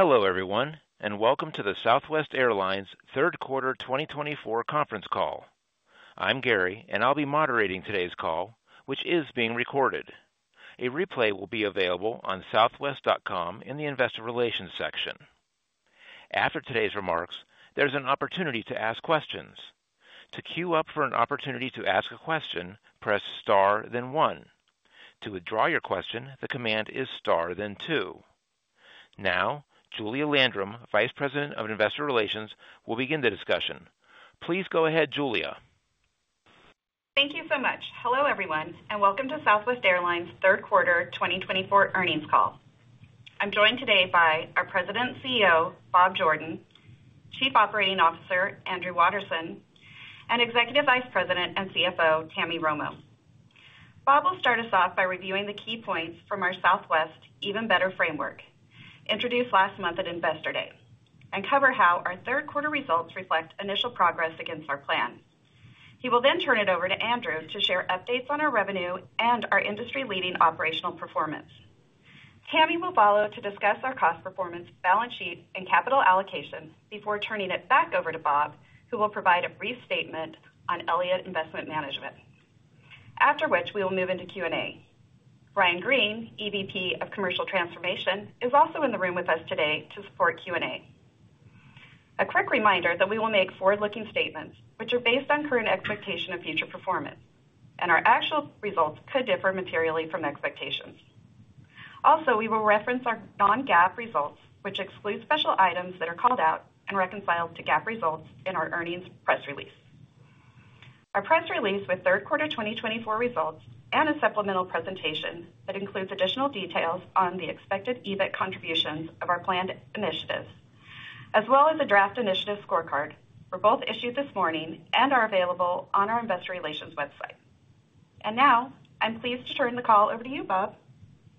Hello, everyone, and welcome to the Southwest Airlines third quarter twenty twenty-four conference call. I'm Gary, and I'll be moderating today's call, which is being recorded. A replay will be available on southwest.com in the Investor Relations section. After today's remarks, there's an opportunity to ask questions. To queue up for an opportunity to ask a question, press Star, then one. To withdraw your question, the command is Star, then two. Now, Julia Landrum, Vice President of Investor Relations, will begin the discussion. Please go ahead, Julia. Thank you so much. Hello, everyone, and welcome to Southwest Airlines' third quarter twenty twenty-four earnings call. I'm joined today by our President and CEO, Bob Jordan, Chief Operating Officer, Andrew Watterson, and Executive Vice President and CFO, Tammy Romo. Bob will start us off by reviewing the key points from our Southwest Even Better framework, introduced last month at Investor Day, and cover how our third quarter results reflect initial progress against our plan. He will then turn it over to Andrew to share updates on our revenue and our industry-leading operational performance. Tammy will follow to discuss our cost performance, balance sheet, and capital allocations before turning it back over to Bob, who will provide a brief statement on Elliott Investment Management, after which we will move into Q&A. Ryan Green, EVP of Commercial Transformation, is also in the room with us today to support Q&A. A quick reminder that we will make forward-looking statements which are based on current expectation of future performance, and our actual results could differ materially from expectations. Also, we will reference our non-GAAP results, which exclude special items that are called out and reconciled to GAAP results in our earnings press release. Our press release with third quarter 2024 results and a supplemental presentation that includes additional details on the expected EBIT contributions of our planned initiatives, as well as a draft initiative scorecard, were both issued this morning and are available on our investor relations website. And now, I'm pleased to turn the call over to you, Bob.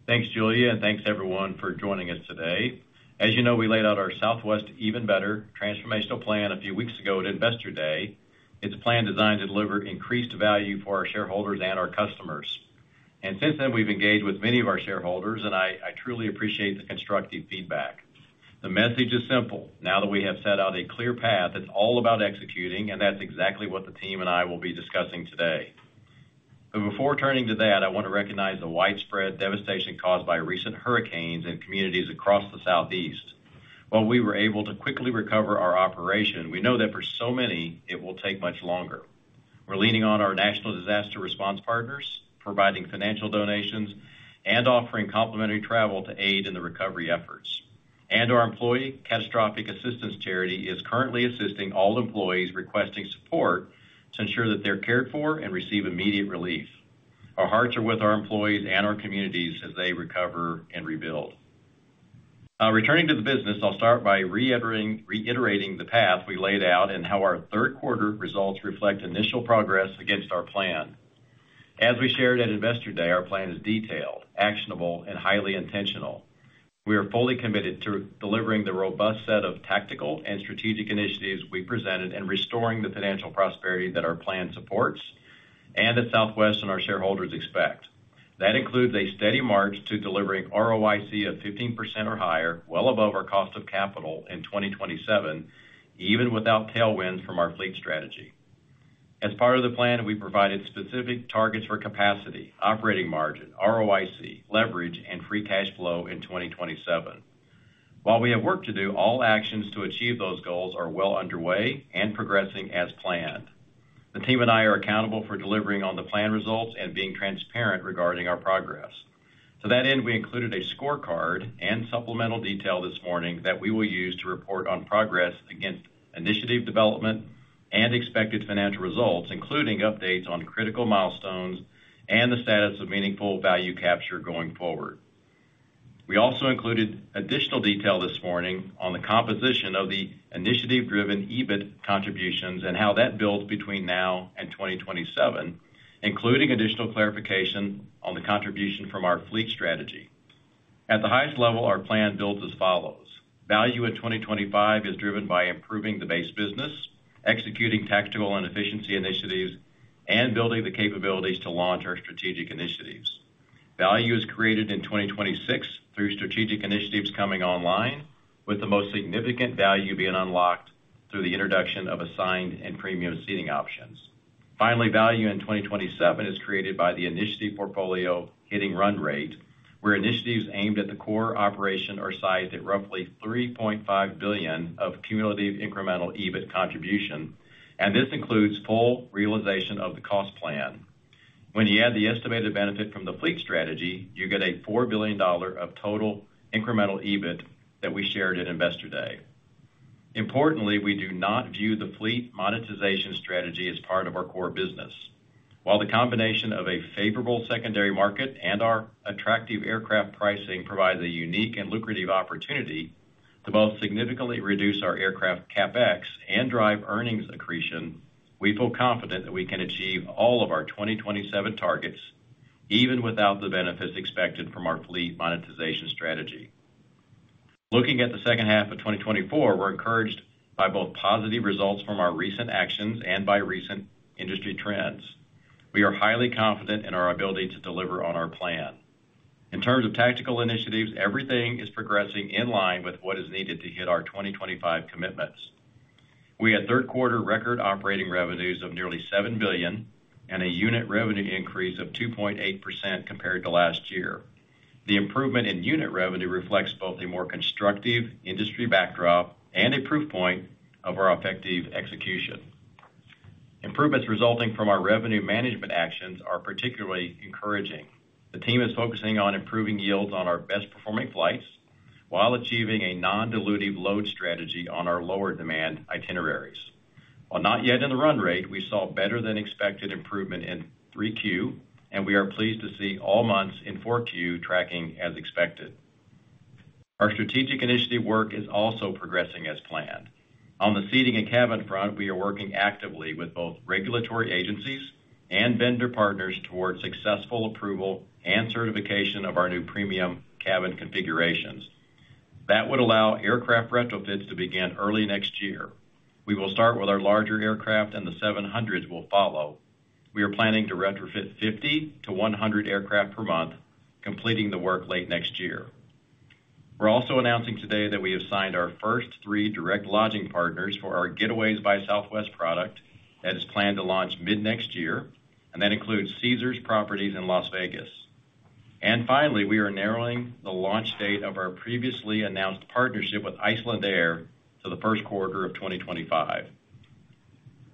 Thanks, Julia, and thanks everyone for joining us today. As you know, we laid out our Southwest Even Better transformational plan a few weeks ago at Investor Day. It's a plan designed to deliver increased value for our shareholders and our customers. And since then, we've engaged with many of our shareholders, and I, I truly appreciate the constructive feedback. The message is simple: Now that we have set out a clear path, it's all about executing, and that's exactly what the team and I will be discussing today. But before turning to that, I want to recognize the widespread devastation caused by recent hurricanes in communities across the Southeast. While we were able to quickly recover our operation, we know that for so many, it will take much longer. We're leaning on our National Disaster Response partners, providing financial donations and offering complimentary travel to aid in the recovery efforts. And our Employee Catastrophic Assistance Charity is currently assisting all employees requesting support to ensure that they're cared for and receive immediate relief. Our hearts are with our employees and our communities as they recover and rebuild. Returning to the business, I'll start by reiterating the path we laid out and how our third quarter results reflect initial progress against our plan. As we shared at Investor Day, our plan is detailed, actionable, and highly intentional. We are fully committed to delivering the robust set of tactical and strategic initiatives we presented in restoring the financial prosperity that our plan supports and that Southwest and our shareholders expect. That includes a steady march to delivering ROIC of 15% or higher, well above our cost of capital in 2027, even without tailwinds from our fleet strategy. As part of the plan, we provided specific targets for capacity, operating margin, ROIC, leverage, and free cash flow in 2027. While we have work to do, all actions to achieve those goals are well underway and progressing as planned. The team and I are accountable for delivering on the plan results and being transparent regarding our progress. To that end, we included a scorecard and supplemental detail this morning that we will use to report on progress against initiative development and expected financial results, including updates on critical milestones and the status of meaningful value capture going forward. We also included additional detail this morning on the composition of the initiative-driven EBIT contributions and how that builds between now and twenty twenty-seven, including additional clarification on the contribution from our fleet strategy. At the highest level, our plan builds as follows: Value in twenty twenty-five is driven by improving the base business, executing tactical and efficiency initiatives, and building the capabilities to launch our strategic initiatives. Value is created in twenty twenty-six through strategic initiatives coming online, with the most significant value being unlocked through the introduction of assigned and premium seating options. Finally, value in twenty twenty-seven is created by the initiative portfolio hitting run rate, where initiatives aimed at the core operation are sized at roughly three point five billion of cumulative incremental EBIT contribution, and this includes full realization of the cost plan. When you add the estimated benefit from the fleet strategy, you get a $4 billion of total incremental EBIT that we shared at Investor Day. Importantly, we do not view the fleet monetization strategy as part of our core business. While the combination of a favorable secondary market and our attractive aircraft pricing provides a unique and lucrative opportunity to both significantly reduce our aircraft CapEx and drive earnings accretion, we feel confident that we can achieve all of our 2027 targets, even without the benefits expected from our fleet monetization strategy. Looking at the second half of 2024, we're encouraged by both positive results from our recent actions and by recent industry trends. We are highly confident in our ability to deliver on our plan. In terms of tactical initiatives, everything is progressing in line with what is needed to hit our 2025 commitments. We had third quarter record operating revenues of nearly $7 billion and a unit revenue increase of 2.8% compared to last year. The improvement in unit revenue reflects both a more constructive industry backdrop and a proof point of our effective execution. Improvements resulting from our revenue management actions are particularly encouraging. The team is focusing on improving yields on our best-performing flights while achieving a non-dilutive load strategy on our lower demand itineraries. While not yet in the run rate, we saw better-than-expected improvement in 3Q, and we are pleased to see all months in 4Q tracking as expected. Our strategic initiative work is also progressing as planned. On the seating and cabin front, we are working actively with both regulatory agencies and vendor partners towards successful approval and certification of our new premium cabin configurations. That would allow aircraft retrofits to begin early next year. We will start with our larger aircraft, and the seven hundreds will follow. We are planning to retrofit 50-100 aircraft per month, completing the work late next year. We're also announcing today that we have signed our first three direct lodging partners for our Getaways by Southwest product that is planned to launch mid-next year, and that includes Caesars Properties in Las Vegas, and finally, we are narrowing the launch date of our previously announced partnership with Icelandair to the first quarter of 2025.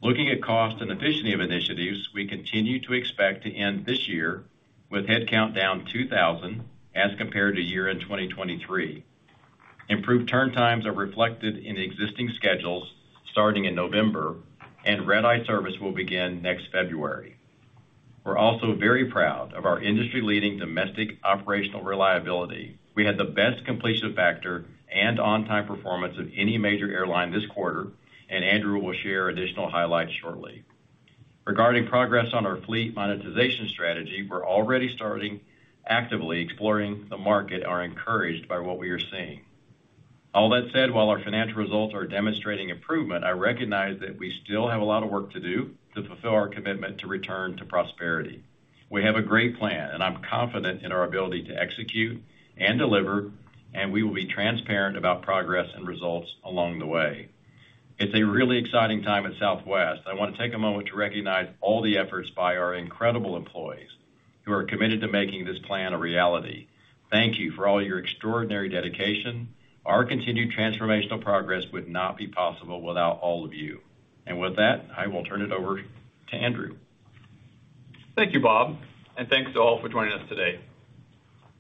Looking at cost and efficiency of initiatives, we continue to expect to end this year with headcount down 2,000 as compared to year-end 2023. Improved turn times are reflected in the existing schedules starting in November, and red-eye service will begin next February. We're also very proud of our industry-leading domestic operational reliability. We had the best completion factor and on-time performance of any major airline this quarter, and Andrew will share additional highlights shortly. Regarding progress on our fleet monetization strategy, we're already starting actively exploring the market and are encouraged by what we are seeing. All that said, while our financial results are demonstrating improvement, I recognize that we still have a lot of work to do to fulfill our commitment to return to prosperity. We have a great plan, and I'm confident in our ability to execute and deliver, and we will be transparent about progress and results along the way. It's a really exciting time at Southwest. I want to take a moment to recognize all the efforts by our incredible employees who are committed to making this plan a reality. Thank you for all your extraordinary dedication. Our continued transformational progress would not be possible without all of you. With that, I will turn it over to Andrew. Thank you, Bob, and thanks to all for joining us today.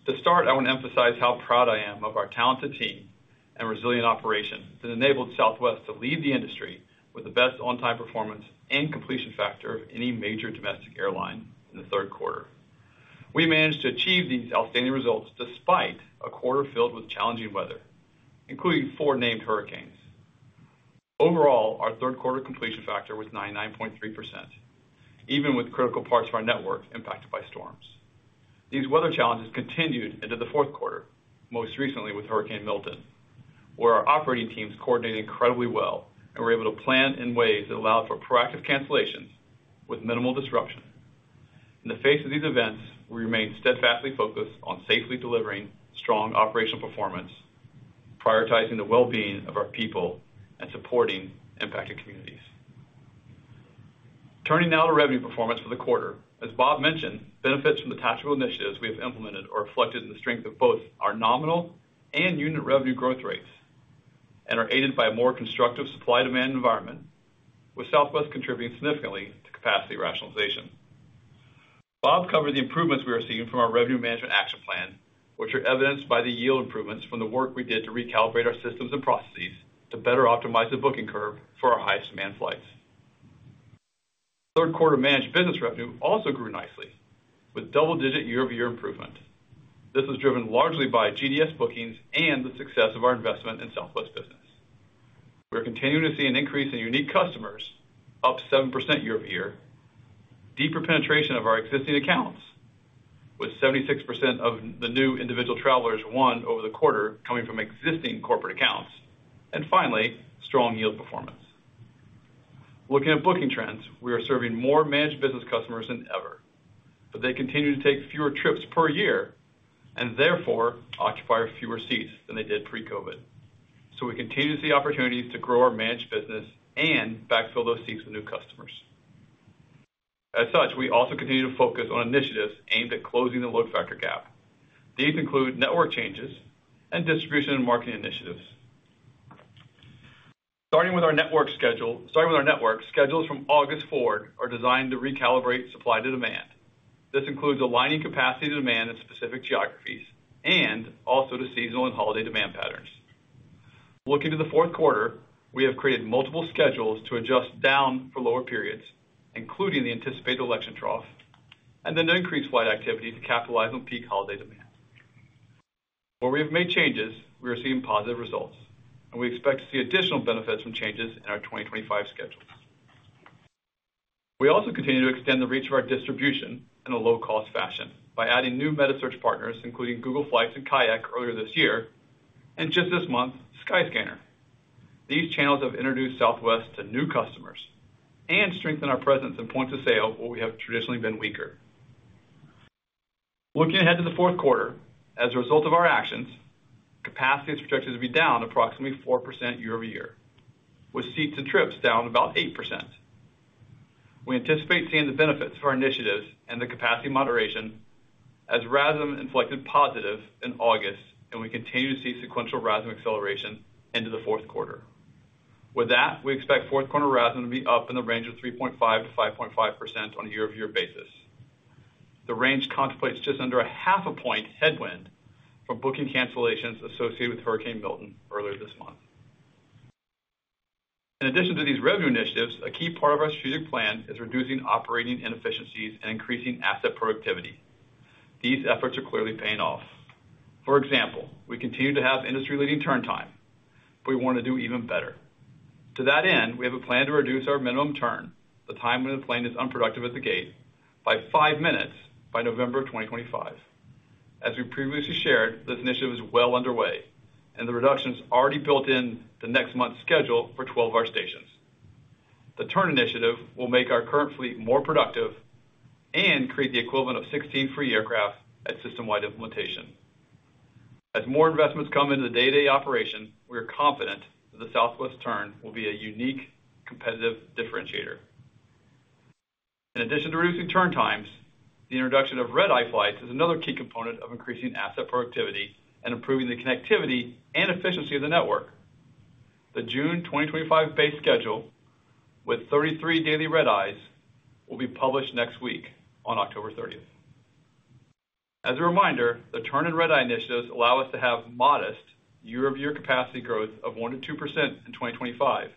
To start, I want to emphasize how proud I am of our talented team and resilient operations that enabled Southwest to lead the industry with the best on-time performance and completion factor of any major domestic airline in the third quarter. We managed to achieve these outstanding results despite a quarter filled with challenging weather, including four named hurricanes. Overall, our third quarter completion factor was 99.3%, even with critical parts of our network impacted by storms. These weather challenges continued into the fourth quarter, most recently with Hurricane Milton, where our operating teams coordinated incredibly well and were able to plan in ways that allowed for proactive cancellations with minimal disruption. In the face of these events, we remain steadfastly focused on safely delivering strong operational performance, prioritizing the well-being of our people and supporting impacted communities. Turning now to revenue performance for the quarter. As Bob mentioned, benefits from the tactical initiatives we have implemented are reflected in the strength of both our nominal and unit revenue growth rates and are aided by a more constructive supply-demand environment, with Southwest contributing significantly to capacity rationalization. Bob covered the improvements we are seeing from our Revenue Management Action Plan, which are evidenced by the yield improvements from the work we did to recalibrate our systems and processes to better optimize the booking curve for our highest demand flights. Third quarter managed business revenue also grew nicely, with double-digit year-over-year improvement. This was driven largely by GDS bookings and the success of our investment in Southwest Business. We're continuing to see an increase in unique customers, up 7% year over year, deeper penetration of our existing accounts, with 76% of the new individual travelers won over the quarter coming from existing corporate accounts, and finally, strong yield performance. Looking at booking trends, we are serving more managed business customers than ever, but they continue to take fewer trips per year and therefore occupy fewer seats than they did pre-COVID. So we continue to see opportunities to grow our managed business and backfill those seats with new customers. As such, we also continue to focus on initiatives aimed at closing the load factor gap. These include network changes and distribution and marketing initiatives. Starting with our network, schedules from August forward are designed to recalibrate supply to demand. This includes aligning capacity to demand in specific geographies and also to seasonal and holiday demand patterns. Looking to the fourth quarter, we have created multiple schedules to adjust down for lower periods, including the anticipated election trough, and then to increase flight activity to capitalize on peak holiday demand. Where we have made changes, we are seeing positive results, and we expect to see additional benefits from changes in our 2025 schedules. We also continue to extend the reach of our distribution in a low-cost fashion by adding new meta search partners, including Google Flights and Kayak earlier this year, and just this month, Skyscanner. These channels have introduced Southwest to new customers and strengthen our presence in points of sale, where we have traditionally been weaker. Looking ahead to the fourth quarter, as a result of our actions, capacity is projected to be down approximately 4% year over year, with seats and trips down about 8%. We anticipate seeing the benefits of our initiatives and the capacity moderation as RASM inflected positive in August, and we continue to see sequential RASM acceleration into the fourth quarter. With that, we expect fourth quarter RASM to be up in the range of 3.5% to 5.5% on a year-over-year basis. The range contemplates just under 0.5 point headwind from booking cancellations associated with Hurricane Milton earlier this month. In addition to these revenue initiatives, a key part of our strategic plan is reducing operating inefficiencies and increasing asset productivity. These efforts are clearly paying off. For example, we continue to have industry-leading turn time, but we want to do even better. To that end, we have a plan to reduce our minimum turn, the time when the plane is unproductive at the gate, by five minutes by November of 2025. As we previously shared, this initiative is well underway, and the reduction is already built in the next month's schedule for twelve of our stations. The turn initiative will make our current fleet more productive and create the equivalent of sixteen free aircraft at system-wide implementation. As more investments come into the day-to-day operation, we are confident that the Southwest Turn will be a unique competitive differentiator. In addition to reducing turn times, the introduction of Red Eye flights is another key component of increasing asset productivity and improving the connectivity and efficiency of the network. The June 2025 base schedule, with 33 daily red-eyes, will be published next week on October 30. As a reminder, the Turn and red-eyes initiatives allow us to have modest year-over-year capacity growth of 1-2% in 2025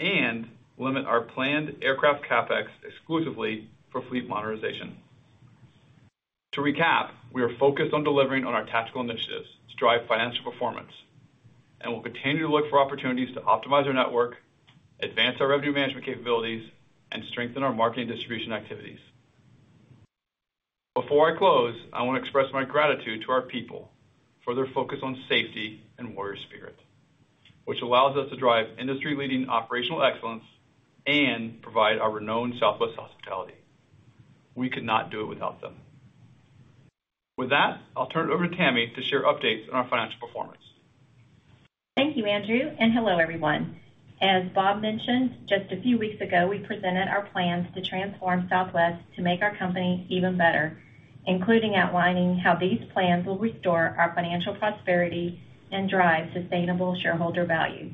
and limit our planned aircraft CapEx exclusively for fleet monetization. To recap, we are focused on delivering on our tactical initiatives to drive financial performance, and we'll continue to look for opportunities to optimize our network, advance our revenue management capabilities, and strengthen our marketing distribution activities. Before I close, I want to express my gratitude to our people for their focus on safety and warrior spirit, which allows us to drive industry-leading operational excellence and provide our renowned Southwest hospitality. We could not do it without them. With that, I'll turn it over to Tammy to share updates on our financial performance. Thank you, Andrew, and hello, everyone. As Bob mentioned, just a few weeks ago, we presented our plans to transform Southwest to make our company even better, including outlining how these plans will restore our financial prosperity and drive sustainable shareholder value.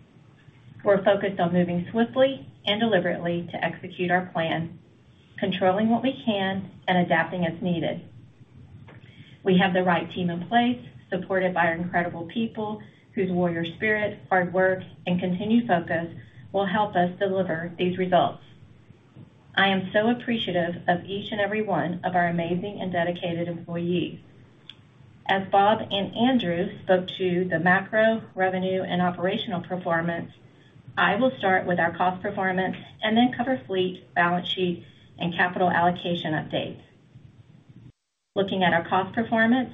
We're focused on moving swiftly and deliberately to execute our plan, controlling what we can and adapting as needed. We have the right team in place, supported by our incredible people, whose warrior spirit, hard work, and continued focus will help us deliver these results. I am so appreciative of each and every one of our amazing and dedicated employees. As Bob and Andrew spoke to the macro, revenue, and operational performance, I will start with our cost performance and then cover fleet, balance sheets, and capital allocation updates. Looking at our cost performance,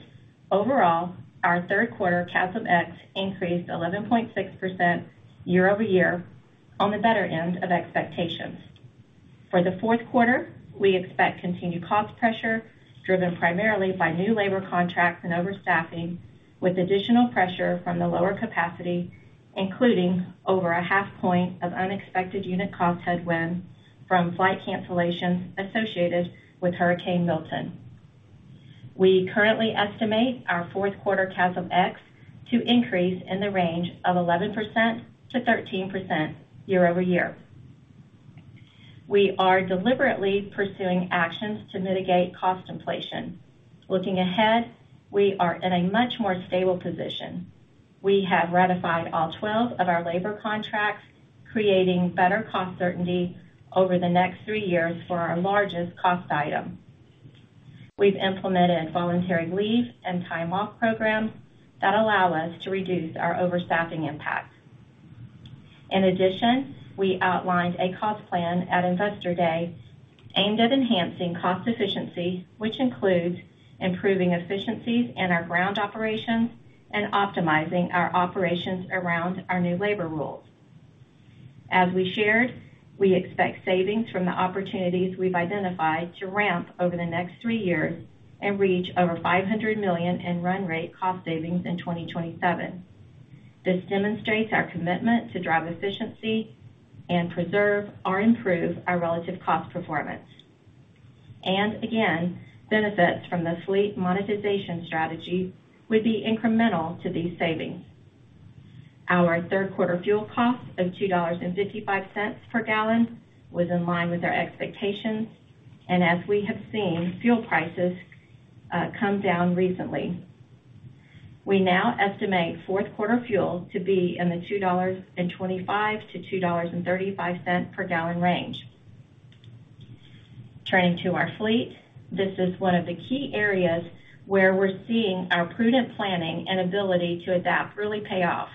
overall, our third quarter CASM ex increased 11.6% year over year on the better end of expectations. For the fourth quarter, we expect continued cost pressure, driven primarily by new labor contracts and overstaffing, with additional pressure from the lower capacity, including over a half point of unexpected unit cost headwind from flight cancellations associated with Hurricane Milton. We currently estimate our fourth quarter CASM ex to increase in the range of 11%-13% year over year. We are deliberately pursuing actions to mitigate cost inflation. Looking ahead, we are in a much more stable position. We have ratified all 12 of our labor contracts, creating better cost certainty over the next three years for our largest cost item. We've implemented voluntary leave and time off programs that allow us to reduce our overstaffing impact. In addition, we outlined a cost plan at Investor Day aimed at enhancing cost efficiency, which includes improving efficiencies in our ground operations and optimizing our operations around our new labor rules. As we shared, we expect savings from the opportunities we've identified to ramp over the next three years and reach over $500 million in run rate cost savings in 2027. This demonstrates our commitment to drive efficiency and preserve or improve our relative cost performance. And again, benefits from the fleet monetization strategy would be incremental to these savings. Our third quarter fuel cost of $2.55 per gallon was in line with our expectations, and as we have seen, fuel prices come down recently. We now estimate fourth quarter fuel to be in the $2.25-$2.35 per gallon range. Turning to our fleet, this is one of the key areas where we're seeing our prudent planning and ability to adapt really pay off.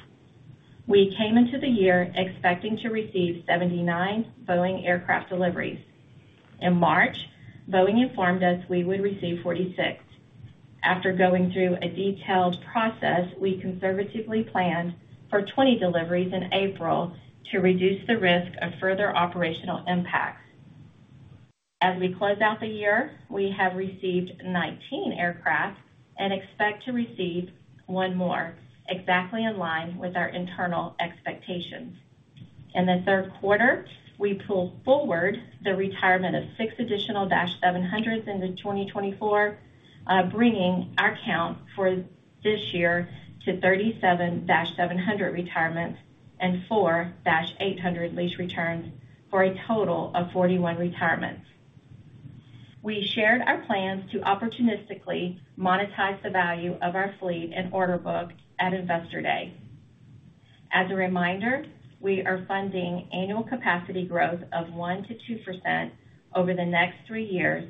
We came into the year expecting to receive 79 Boeing aircraft deliveries. In March, Boeing informed us we would receive 46.... After going through a detailed process, we conservatively planned for 20 deliveries in April to reduce the risk of further operational impacts. As we close out the year, we have received 19 aircraft and expect to receive one more, exactly in line with our internal expectations. In the third quarter, we pulled forward the retirement of six additional -700s into 2024, bringing our count for this year to 37 Dash retirements and 4-800 lease returns, for a total of 41 retirements. We shared our plans to opportunistically monetize the value of our fleet and order book at Investor Day. As a reminder, we are funding annual capacity growth of 1-2% over the next three years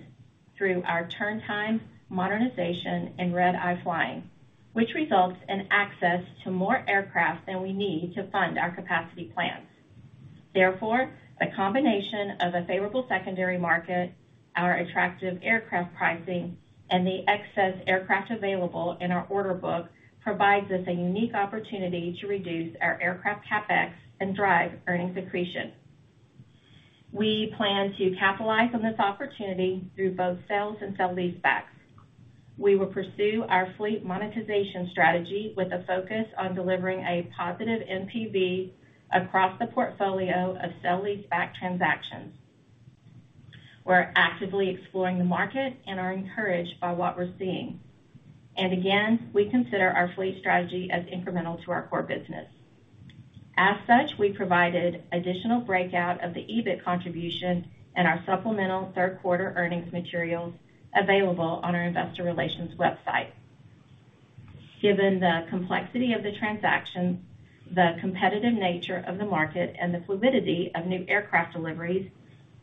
through our turn time, modernization, and red-eye flying, which results in access to more aircraft than we need to fund our capacity plans. Therefore, the combination of a favorable secondary market, our attractive aircraft pricing, and the excess aircraft available in our order book, provides us a unique opportunity to reduce our aircraft CapEx and drive earnings accretion. We plan to capitalize on this opportunity through both sales and sale-leasebacks. We will pursue our fleet monetization strategy with a focus on delivering a positive NPV across the portfolio of sale-leaseback transactions. We're actively exploring the market and are encouraged by what we're seeing. And again, we consider our fleet strategy as incremental to our core business. As such, we provided additional breakout of the EBIT contribution in our supplemental third quarter earnings materials available on our investor relations website. Given the complexity of the transactions, the competitive nature of the market, and the fluidity of new aircraft deliveries,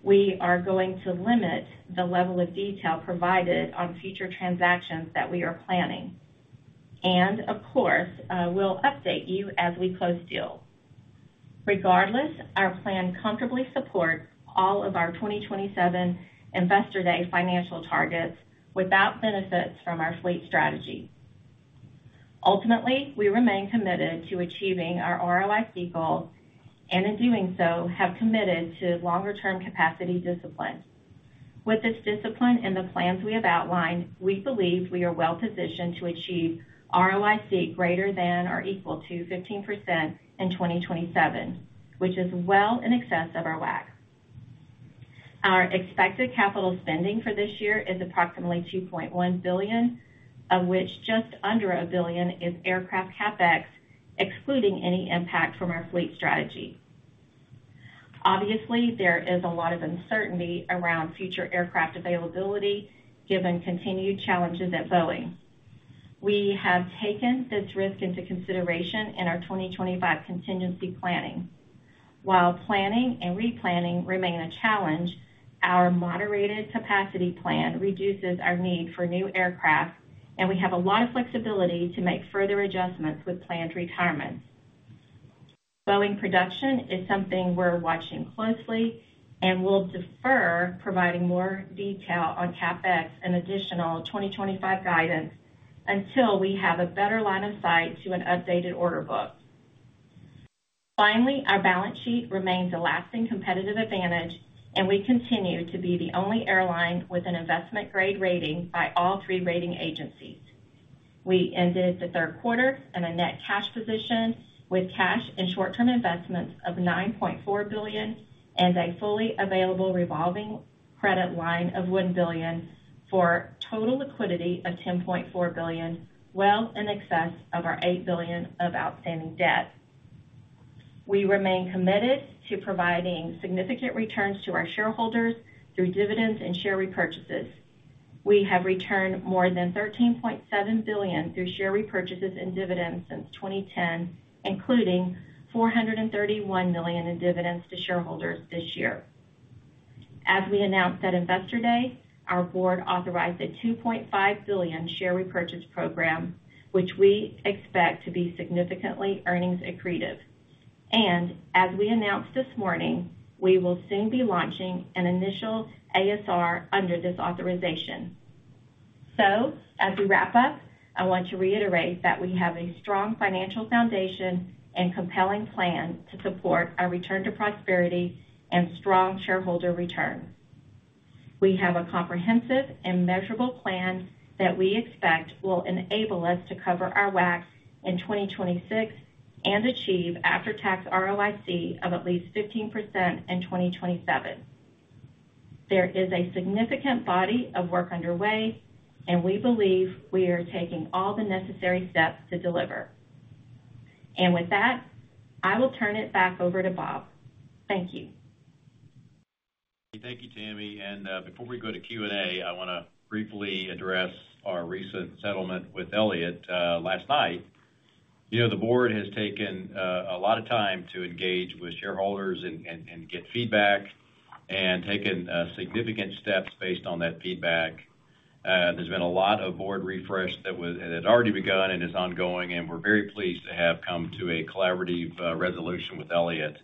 we are going to limit the level of detail provided on future transactions that we are planning. And of course, we'll update you as we close deals. Regardless, our plan comfortably supports all of our 2027 Investor Day financial targets without benefits from our fleet strategy. Ultimately, we remain committed to achieving our ROIC goal, and in doing so, have committed to longer-term capacity discipline. With this discipline and the plans we have outlined, we believe we are well positioned to achieve ROIC greater than or equal to 15% in twenty twenty-seven, which is well in excess of our WACC. Our expected capital spending for this year is approximately 2.1 billion, of which just under a billion is aircraft CapEx, excluding any impact from our fleet strategy. Obviously, there is a lot of uncertainty around future aircraft availability, given continued challenges at Boeing. We have taken this risk into consideration in our twenty twenty-five contingency planning. While planning and replanning remain a challenge, our moderated capacity plan reduces our need for new aircraft, and we have a lot of flexibility to make further adjustments with planned retirements. Boeing production is something we're watching closely, and we'll defer providing more detail on CapEx and additional 2025 guidance until we have a better line of sight to an updated order book. Finally, our balance sheet remains a lasting competitive advantage, and we continue to be the only airline with an investment-grade rating by all three rating agencies. We ended the third quarter in a net cash position with cash and short-term investments of $9.4 billion and a fully available revolving credit line of $1 billion for total liquidity of $10.4 billion, well in excess of our $8 billion of outstanding debt. We remain committed to providing significant returns to our shareholders through dividends and share repurchases. We have returned more than $13.7 billion through share repurchases and dividends since 2010, including $431 million in dividends to shareholders this year. As we announced at Investor Day, our board authorized a $2.5 billion share repurchase program, which we expect to be significantly earnings accretive, and as we announced this morning, we will soon be launching an initial ASR under this authorization, so as we wrap up, I want to reiterate that we have a strong financial foundation and compelling plan to support our return to prosperity and strong shareholder return. We have a comprehensive and measurable plan that we expect will enable us to cover our WACC in 2026 and achieve after-tax ROIC of at least 15% in 2027. There is a significant body of work underway, and we believe we are taking all the necessary steps to deliver. And with that, I will turn it back over to Bob. Thank you. Thank you, Tammy. Before we go to Q&A, I wanna briefly address our recent settlement with Elliott last night. You know, the board has taken a lot of time to engage with shareholders and get feedback and taken significant steps based on that feedback. There's been a lot of board refresh that had already begun and is ongoing, and we're very pleased to have come to a collaborative resolution with Elliott.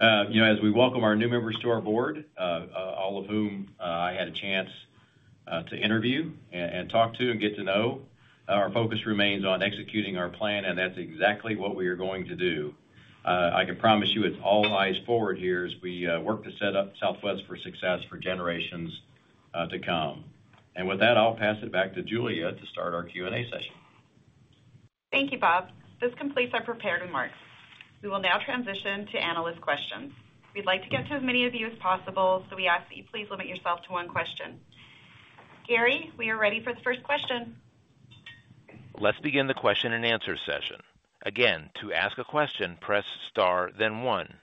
You know, as we welcome our new members to our board, all of whom I had a chance to interview and talk to and get to know, our focus remains on executing our plan, and that's exactly what we are going to do. I can promise you, it's all eyes forward here as we work to set up Southwest for success for generations to come. And with that, I'll pass it back to Julia to start our Q&A session. Thank you, Bob. This completes our prepared remarks. We will now transition to analyst questions. We'd like to get to as many of you as possible, so we ask that you please limit yourself to one question. Gary, we are ready for the first question. Let's begin the question and answer session. Again, to ask a question, press star then one.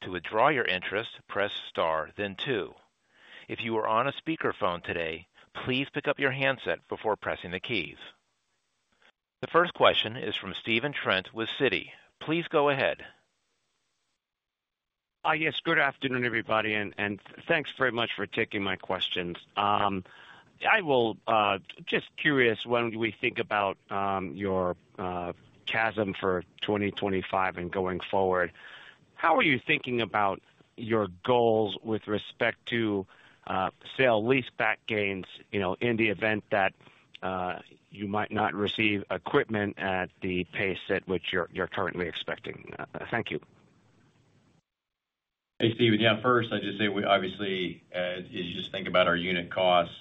To withdraw your interest, press star then two. If you are on a speaker phone today, please pick up your handset before pressing the keys. The first question is from Stephen Trent with Citi. Please go ahead. Yes, good afternoon, everybody, and thanks very much for taking my questions. Just curious, when we think about your CASM for 2025 and going forward, how are you thinking about your goals with respect to sale leaseback gains, you know, in the event that you might not receive equipment at the pace at which you're currently expecting? Thank you. Hey, Steven. Yeah, first, I just say, we obviously, as you just think about our unit costs,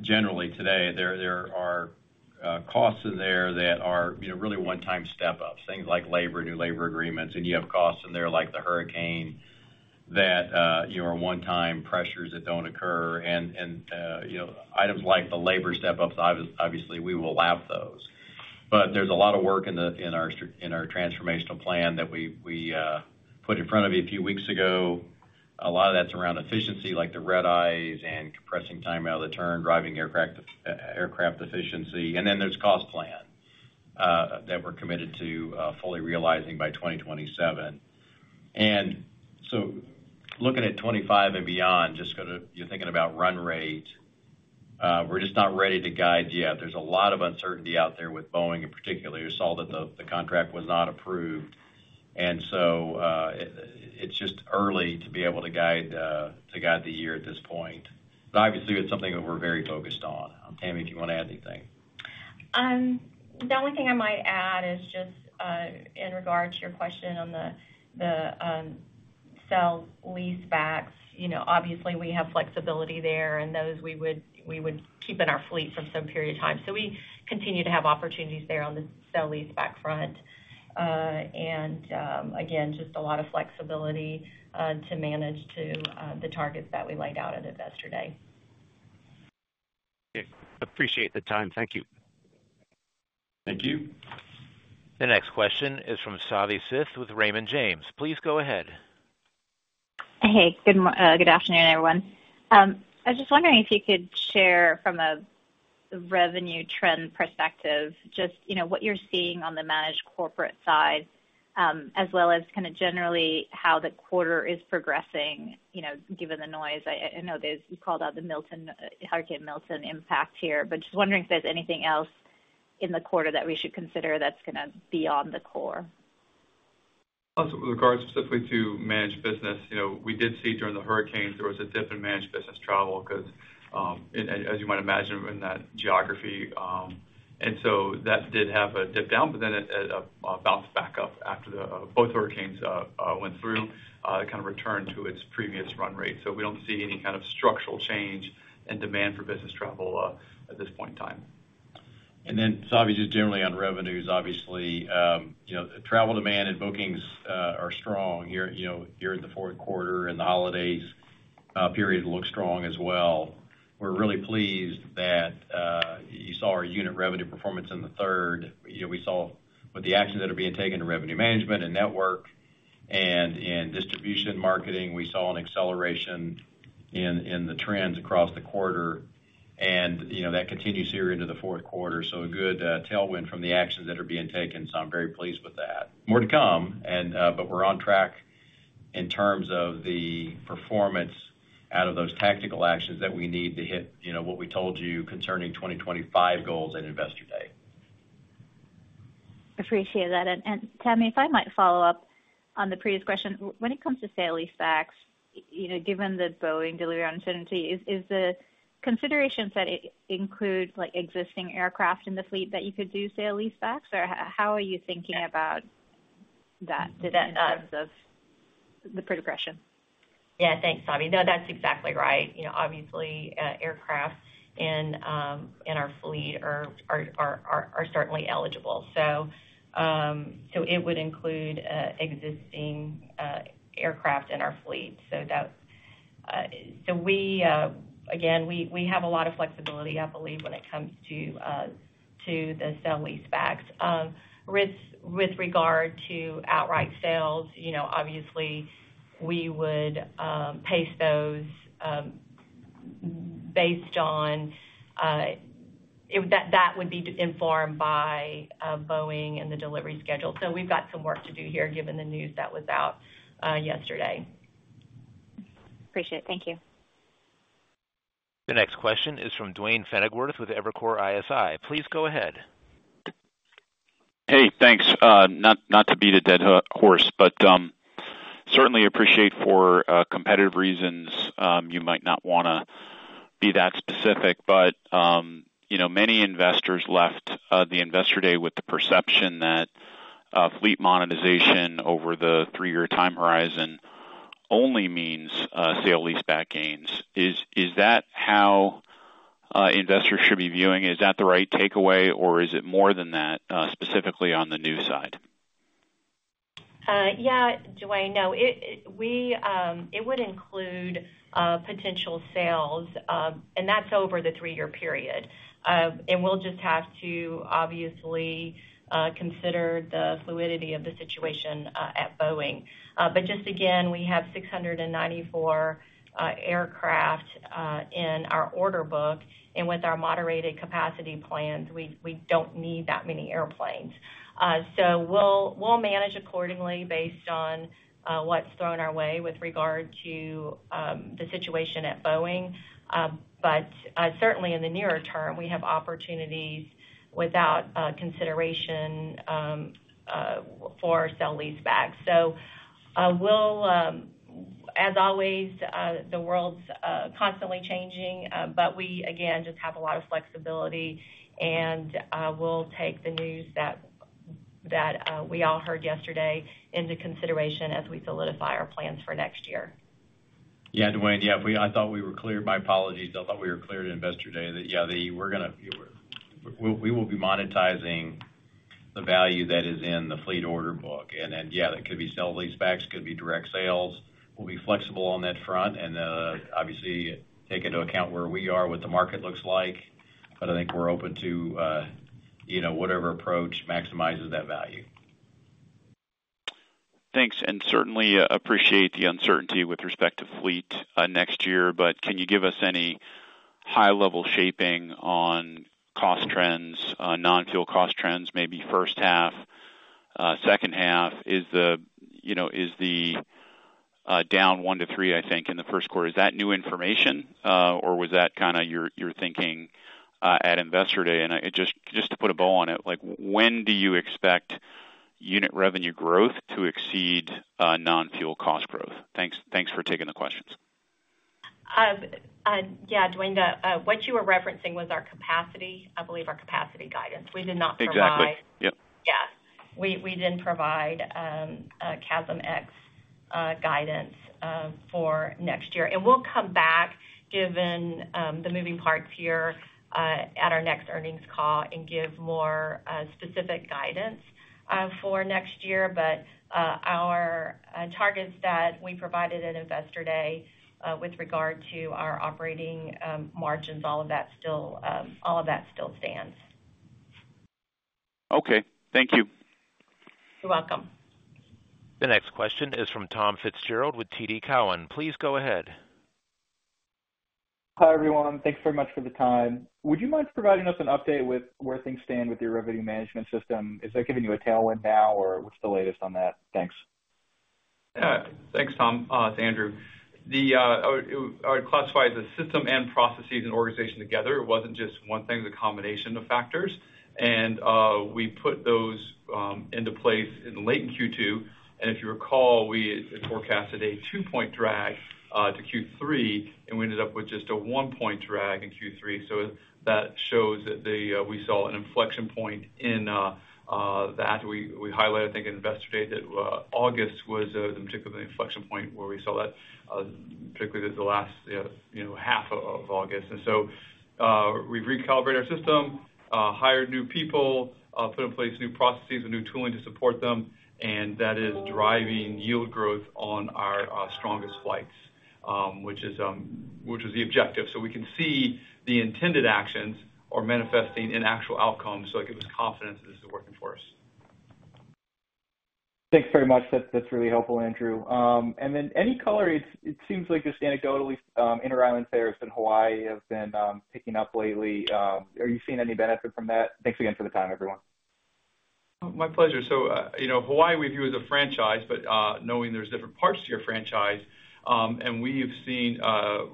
generally today, there are costs in there that are, you know, really one-time step-ups, things like labor, new labor agreements, and you have costs in there, like the hurricane, that, you know, are one-time pressures that don't occur, and, you know, items like the labor step-ups, obviously, we will lap those. But there's a lot of work in our transformational plan that we put in front of you a few weeks ago. A lot of that's around efficiency, like the Red-Eyes and compressing time out of the turn, driving aircraft efficiency. And then there's cost plan that we're committed to fully realizing by 2027. And so looking at 2025 and beyond, just gonna, you're thinking about run rate, we're just not ready to guide yet. There's a lot of uncertainty out there with Boeing, in particular. You saw that the contract was not approved, and so, it's just early to be able to guide to guide the year at this point. But obviously, it's something that we're very focused on. Tammy, do you want to add anything? The only thing I might add is just in regards to your question on the sale-leasebacks. You know, obviously, we have flexibility there, and those we would keep in our fleet for some period of time. So we continue to have opportunities there on the sale-leaseback front. And, again, just a lot of flexibility to manage to the targets that we laid out at Investor Day. Okay. Appreciate the time. Thank you. Thank you. The next question is from Savi Syth with Raymond James. Please go ahead. Hey, good afternoon, everyone. I was just wondering if you could share from a revenue trend perspective, just, you know, what you're seeing on the managed corporate side, as well as kinda generally how the quarter is progressing, you know, given the noise. I know you called out the Milton, Hurricane Milton impact here, but just wondering if there's anything else in the quarter that we should consider that's gonna be on the core. Also, with regards specifically to managed business, you know, we did see during the hurricane, there was a dip in managed business travel because, as you might imagine, in that geography, and so that did have a dip down, but then it bounced back up after the both hurricanes went through, it kind of returned to its previous run rate. So we don't see any kind of structural change in demand for business travel, at this point in time. And then, Savi, just generally on revenues, obviously, you know, here in the fourth quarter, and the holidays period looks strong as well. We're really pleased that you saw our unit revenue performance in the third. You know, we saw with the actions that are being taken to revenue management and network and in distribution marketing, we saw an acceleration in the trends across the quarter, and, you know, that continues here into the fourth quarter. So a good tailwind from the actions that are being taken, so I'm very pleased with that. More to come, and but we're on track in terms of the performance out of those tactical actions that we need to hit, you know, what we told you concerning twenty twenty-five goals at Investor Day. Appreciate that. And Tammy, if I might follow up on the previous question. When it comes to sale-leasebacks, you know, given the Boeing delivery uncertainty, is the considerations that it includes, like existing aircraft in the fleet, that you could do sale-leasebacks? Or how are you thinking about that in terms of the progression? Yeah, thanks, Savi. No, that's exactly right. You know, obviously, aircraft in our fleet are certainly eligible. So, so it would include existing aircraft in our fleet. So that's... So we again, we have a lot of flexibility, I believe, when it comes to the sale-leasebacks. With regard to outright sales, you know, obviously, we would pace those based on that, that would be informed by Boeing and the delivery schedule. So we've got some work to do here, given the news that was out yesterday. Appreciate it. Thank you. The next question is from Duane Pfennigwerth with Evercore ISI. Please go ahead. Hey, thanks. Not to beat a dead horse, but certainly appreciate for competitive reasons you might not want to be that specific, but you know, many investors left the Investor Day with the perception that fleet monetization over the three-year time horizon only means sale-leaseback gains. Is that how investors should be viewing? Is that the right takeaway, or is it more than that, specifically on the new side? Yeah, Duane, no, it would include potential sales, and that's over the three-year period. We'll just have to obviously consider the fluidity of the situation at Boeing. But just again, we have 694 aircraft in our order book, and with our moderated capacity plans, we don't need that many airplanes. We'll manage accordingly based on what's thrown our way with regard to the situation at Boeing. But certainly in the nearer term, we have opportunities without consideration for sale leaseback. We'll... As always, the world's constantly changing, but we, again, just have a lot of flexibility, and we'll take the news that we all heard yesterday into consideration as we solidify our plans for next year. Yeah, Duane, yeah, we. I thought we were clear. My apologies. I thought we were clear at Investor Day that, yeah, we're gonna. We will be monetizing the value that is in the fleet order book. And then, yeah, that could be sell leasebacks, could be direct sales. We'll be flexible on that front and, obviously take into account where we are, what the market looks like, but I think we're open to, you know, whatever approach maximizes that value. Thanks, and certainly, appreciate the uncertainty with respect to fleet, next year. But can you give us any high-level shaping on cost trends, non-fuel cost trends, maybe first half, second half? Is the, you know, down one to three, I think, in the first quarter, is that new information, or was that kind of your thinking, at Investor Day? And, just to put a bow on it, like, when do you expect unit revenue growth to exceed, non-fuel cost growth? Thanks. Thanks for taking the questions. Duane, what you were referencing was our capacity. I believe our capacity guidance. We did not provide- Exactly. Yep. Yeah, we didn't provide a CASM ex guidance for next year. We'll come back, given the moving parts here, at our next earnings call and give more specific guidance for next year. Our targets that we provided at Investor Day with regard to our operating margins, all of that still, all of that still stands. Okay. Thank you. You're welcome. The next question is from Tom Fitzgerald with TD Cowen. Please go ahead. Hi, everyone. Thanks very much for the time. Would you mind providing us an update with where things stand with your revenue management system? Is that giving you a tailwind now, or what's the latest on that? Thanks. Yeah. Thanks, Tom. It's Andrew. I would classify the system and processes and organization together. It wasn't just one thing, it was a combination of factors, and we put those into place in late Q2, and if you recall, we forecasted a two-point drag to Q3, and we ended up with just a one-point drag in Q3, so that shows that we saw an inflection point in that. We highlighted, I think, in Investor Day, that August was in particular the inflection point where we saw that, particularly the last, you know, half of August. And so, we've recalibrated our system, hired new people, put in place new processes and new tooling to support them, and that is driving yield growth on our strongest flights, which is the objective. So we can see the intended actions are manifesting in actual outcomes, so it gives us confidence that this is working for us. Thanks very much. That's really helpful, Andrew. And then any color, it seems like just anecdotally, interisland fares in Hawaii have been picking up lately. Are you seeing any benefit from that? Thanks again for the time, everyone. My pleasure. So, you know, Hawaii, we view as a franchise, but knowing there's different parts to your franchise, and we have seen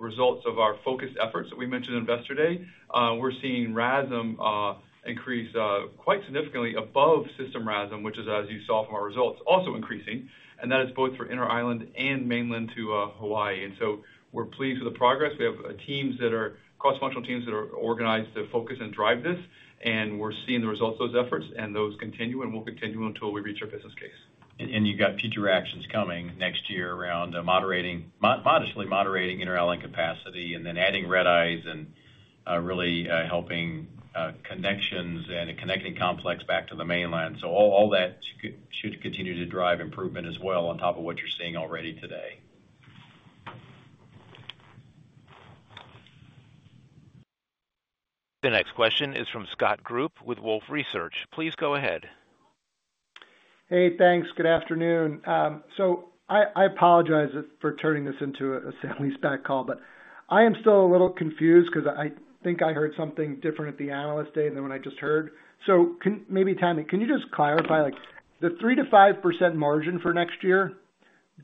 results of our focused efforts that we mentioned in Investor Day. We're seeing RASM increase quite significantly above system RASM, which is, as you saw from our results, also increasing, and that is both for interisland and mainland to Hawaii. We're pleased with the progress. We have teams that are cross-functional teams that are organized to focus and drive this, and we're seeing the results of those efforts, and those continue and will continue until we reach our business case. You've got future actions coming next year around modestly moderating interisland capacity and then adding red eyes and really helping connections and a connecting complex back to the mainland, so all that should continue to drive improvement as well on top of what you're seeing already today. The next question is from Scott Group with Wolfe Research. Please go ahead. Hey, thanks. Good afternoon. So I apologize for turning this into a sale leaseback call, but I am still a little confused because I think I heard something different at the Analyst Day than what I just heard. So maybe, Tammy, can you just clarify, like, the 3%-5% margin for next year?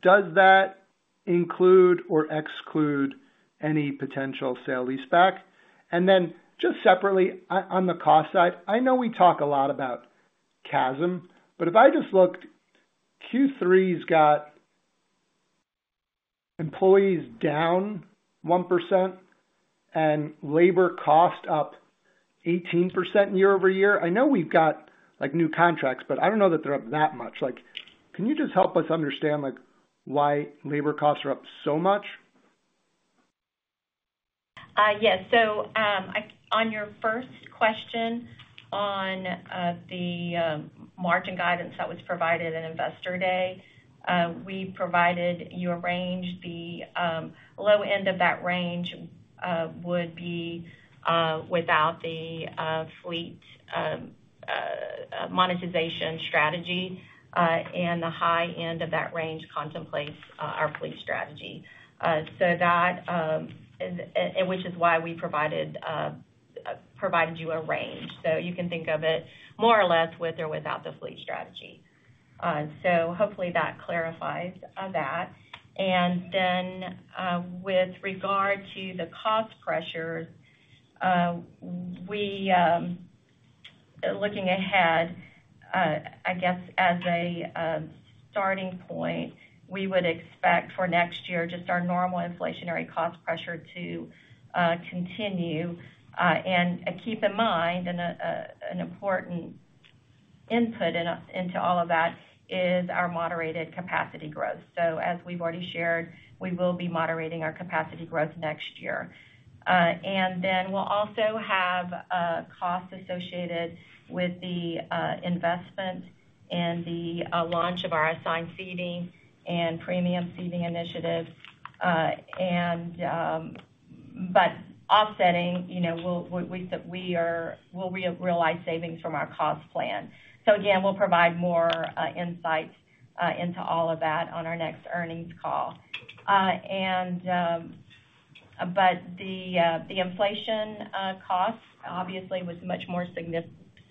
Does that include or exclude any potential sale leaseback? And then just separately, on the cost side, I know we talk a lot about CASM, but if I just looked, Q3's got employees down 1% and labor cost up 18% year over year. I know we've got, like, new contracts, but I don't know that they're up that much. Like, can you just help us understand, like, why labor costs are up so much? Yes. So, on your first question, on the margin guidance that was provided in Investor Day, we provided you a range. The low end of that range would be without the fleet monetization strategy, and the high end of that range contemplates our fleet strategy. So that, and which is why we provided you a range, so you can think of it more or less with or without the fleet strategy. So hopefully that clarifies that. And then, with regard to the cost pressures, we looking ahead, I guess as a starting point, we would expect for next year, just our normal inflationary cost pressure to continue. And keep in mind, an important input into all of that is our moderated capacity growth. So as we've already shared, we will be moderating our capacity growth next year. And then we'll also have costs associated with the investment and the launch of our assigned seating and premium seating initiatives. But offsetting, you know, we'll realize savings from our cost plan. So again, we'll provide more insight into all of that on our next earnings call. But the inflation cost obviously was much more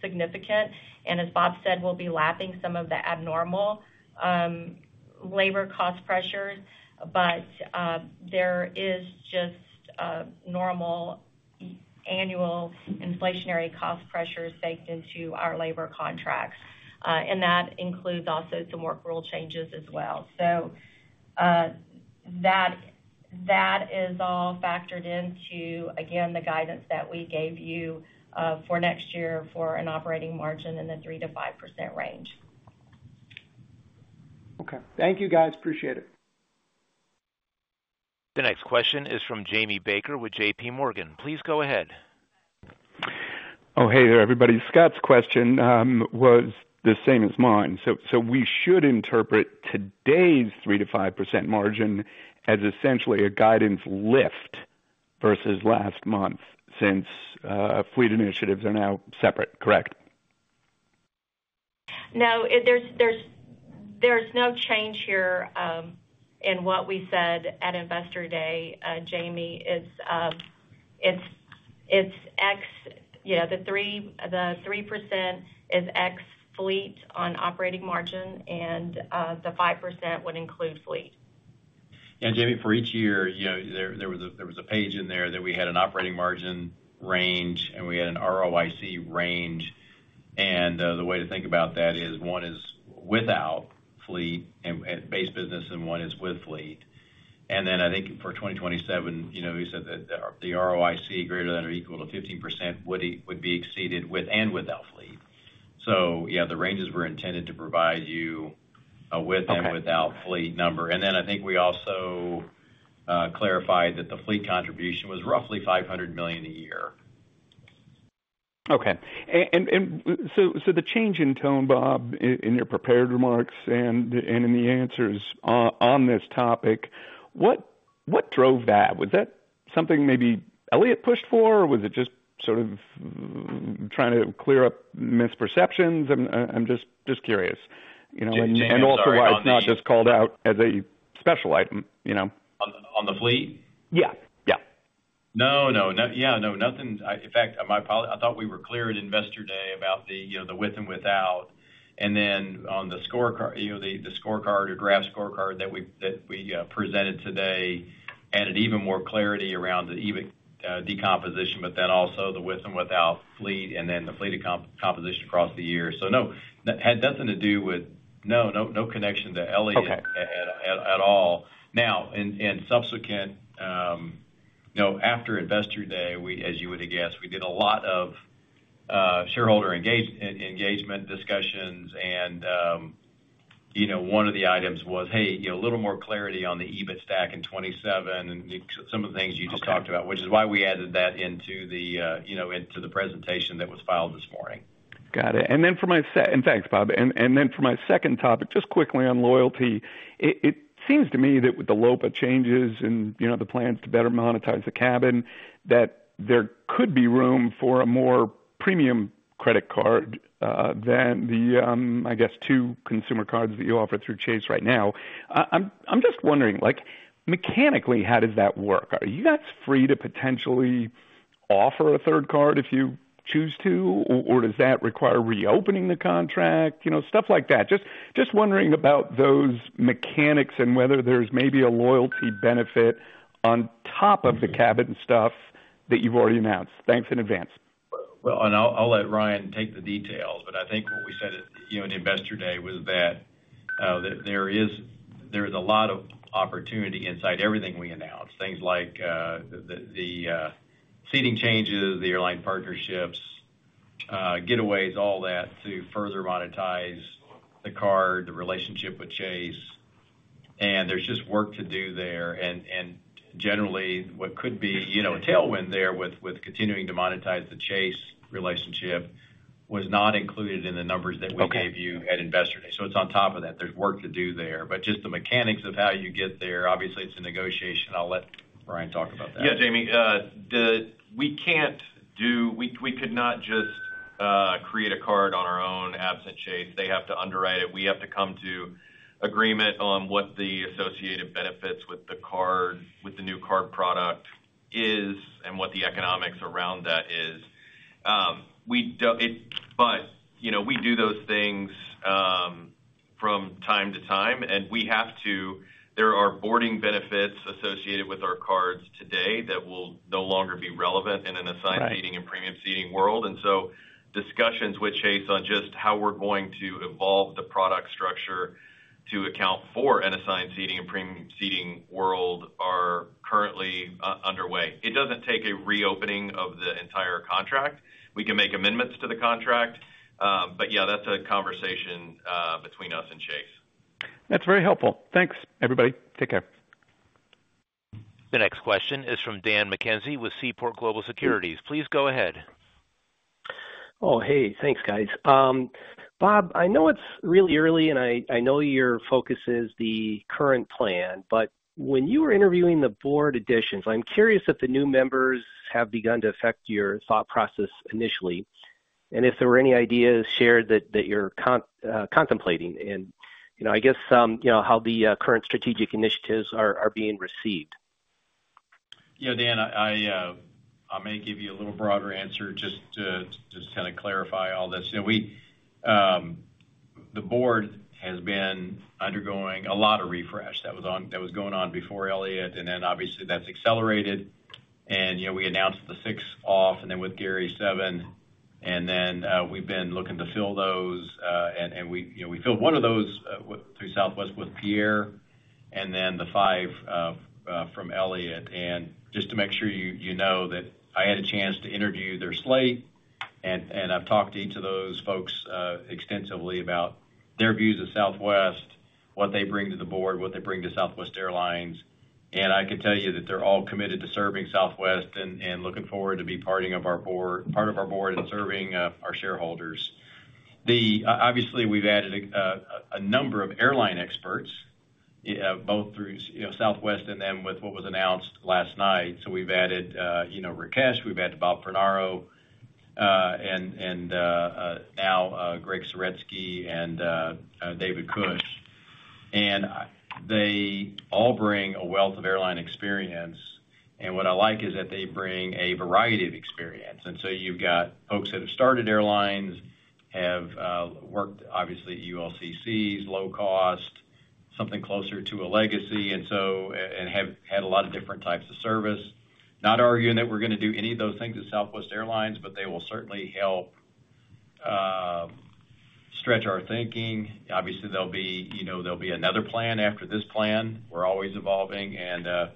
significant. And as Bob said, we'll be lapping some of the abnormal labor cost pressures. There is just normal annual inflationary cost pressures baked into our labor contracts, and that includes also some work rule changes as well. That is all factored into, again, the guidance that we gave you, for next year for an operating margin in the 3%-5% range. Okay. Thank you, guys. Appreciate it. The next question is from Jamie Baker with J.P. Morgan. Please go ahead. Oh, hey there, everybody. Scott's question was the same as mine. So we should interpret today's 3%-5% margin as essentially a guidance lift versus last month, since fleet initiatives are now separate, correct? No, there's no change here in what we said at Investor Day, Jamie. It's ex fleet. Yeah, the 3% is ex fleet on operating margin, and the 5% would include fleet. And Jamie, for each year, you know, there was a page in there that we had an operating margin range, and we had an ROIC range. And, the way to think about that is, one is without fleet and base business, and one is with fleet. And then I think for twenty twenty-seven, you know, we said that the ROIC greater than or equal to 15% would be exceeded with and without fleet. So yeah, the ranges were intended to provide you with- Okay. and without fleet number. And then I think we also clarified that the fleet contribution was roughly $500 million a year. Okay. And so the change in tone, Bob, in your prepared remarks and in the answers on this topic, what drove that? Was that something maybe Elliott pushed for, or was it just sort of trying to clear up misperceptions? I'm just curious, you know, and also why it's not just called out as a special item, you know? On the fleet? Yeah. Yeah. No, no, no. Yeah, no, nothing. In fact, I might probably... I thought we were clear at Investor Day about the, you know, the with and without. And then on the scorecard, you know, the scorecard or graph scorecard that we presented today added even more clarity around the EBIT decomposition, but then also the with and without fleet, and then the fleet decomposition across the year. So no, that had nothing to do with... No, no, no connection to Elliott- Okay. at all. Now, in subsequent, you know, after Investor Day, we, as you would have guessed, we did a lot of shareholder engagement discussions and, you know, one of the items was, hey, you know, a little more clarity on the EBIT stack in 2027 and some of the things you just talked about. Okay. - which is why we added that into the, you know, presentation that was filed this morning. Got it. And then for my second topic, and thanks, Bob. And then for my second topic, just quickly on loyalty. It seems to me that with the LOPA changes and, you know, the plans to better monetize the cabin, that there could be room for a more premium credit card than the, I guess, two consumer cards that you offer through Chase right now. I'm just wondering, like, mechanically, how does that work? Are you guys free to potentially-... offer a third card if you choose to, or, or does that require reopening the contract? You know, stuff like that. Just, just wondering about those mechanics and whether there's maybe a loyalty benefit on top of the cabin stuff that you've already announced. Thanks in advance. Well, and I'll let Ryan take the details, but I think what we said at, you know, the Investor Day was that there is a lot of opportunity inside everything we announce. Things like the seating changes, the airline partnerships, getaways, all that, to further monetize the card, the relationship with Chase. And there's just work to do there. And generally, what could be, you know, a tailwind there with continuing to monetize the Chase relationship was not included in the numbers that- Okay. We gave you at Investor Day. So it's on top of that. There's work to do there, but just the mechanics of how you get there, obviously, it's a negotiation. I'll let Ryan talk about that. Yeah, Jamie, we could not just create a card on our own absent Chase. They have to underwrite it. We have to come to agreement on what the associated benefits with the card, with the new card product is and what the economics around that is. But, you know, we do those things from time to time, and we have to... There are boarding benefits associated with our cards today that will no longer be relevant in an assigned- Right... seating and premium seating world, and so discussions with Chase on just how we're going to evolve the product structure to account for an assigned seating and premium seating world are currently underway. It doesn't take a reopening of the entire contract. We can make amendments to the contract, but yeah, that's a conversation between us and Chase. That's very helpful. Thanks, everybody. Take care. The next question is from Dan McKenzie with Seaport Global Securities. Please go ahead. Oh, hey, thanks, guys. Bob, I know it's really early, and I know your focus is the current plan, but when you were interviewing the board additions, I'm curious if the new members have begun to affect your thought process initially, and if there were any ideas shared that you're contemplating. And, you know, I guess, you know, how the current strategic initiatives are being received. You know, Dan, I may give you a little broader answer just to kind of clarify all this. You know, we, the board has been undergoing a lot of refresh. That was ongoing, that was going on before Elliott, and then obviously, that's accelerated. You know, we announced the six off, and then with Gary, seven, and then we've been looking to fill those, and we, you know, we filled one of those through Southwest with Pierre and then the five from Elliott. Just to make sure you know that I had a chance to interview their slate, and I've talked to each of those folks extensively about their views of Southwest, what they bring to the board, what they bring to Southwest Airlines. I can tell you that they're all committed to serving Southwest and looking forward to being part of our board and serving our shareholders. Obviously, we've added a number of airline experts, both through, you know, Southwest and then with what was announced last night. So we've added, you know, Rakesh, we've added Bob Fornaro, and now Gregg Saretsky and David Cush. And they all bring a wealth of airline experience, and what I like is that they bring a variety of experience. So you've got folks that have started airlines, have worked, obviously, at ULCCs, low cost, something closer to a legacy, and have had a lot of different types of service. Not arguing that we're gonna do any of those things at Southwest Airlines, but they will certainly help stretch our thinking. Obviously, there'll be, you know, there'll be another plan after this plan. We're always evolving, and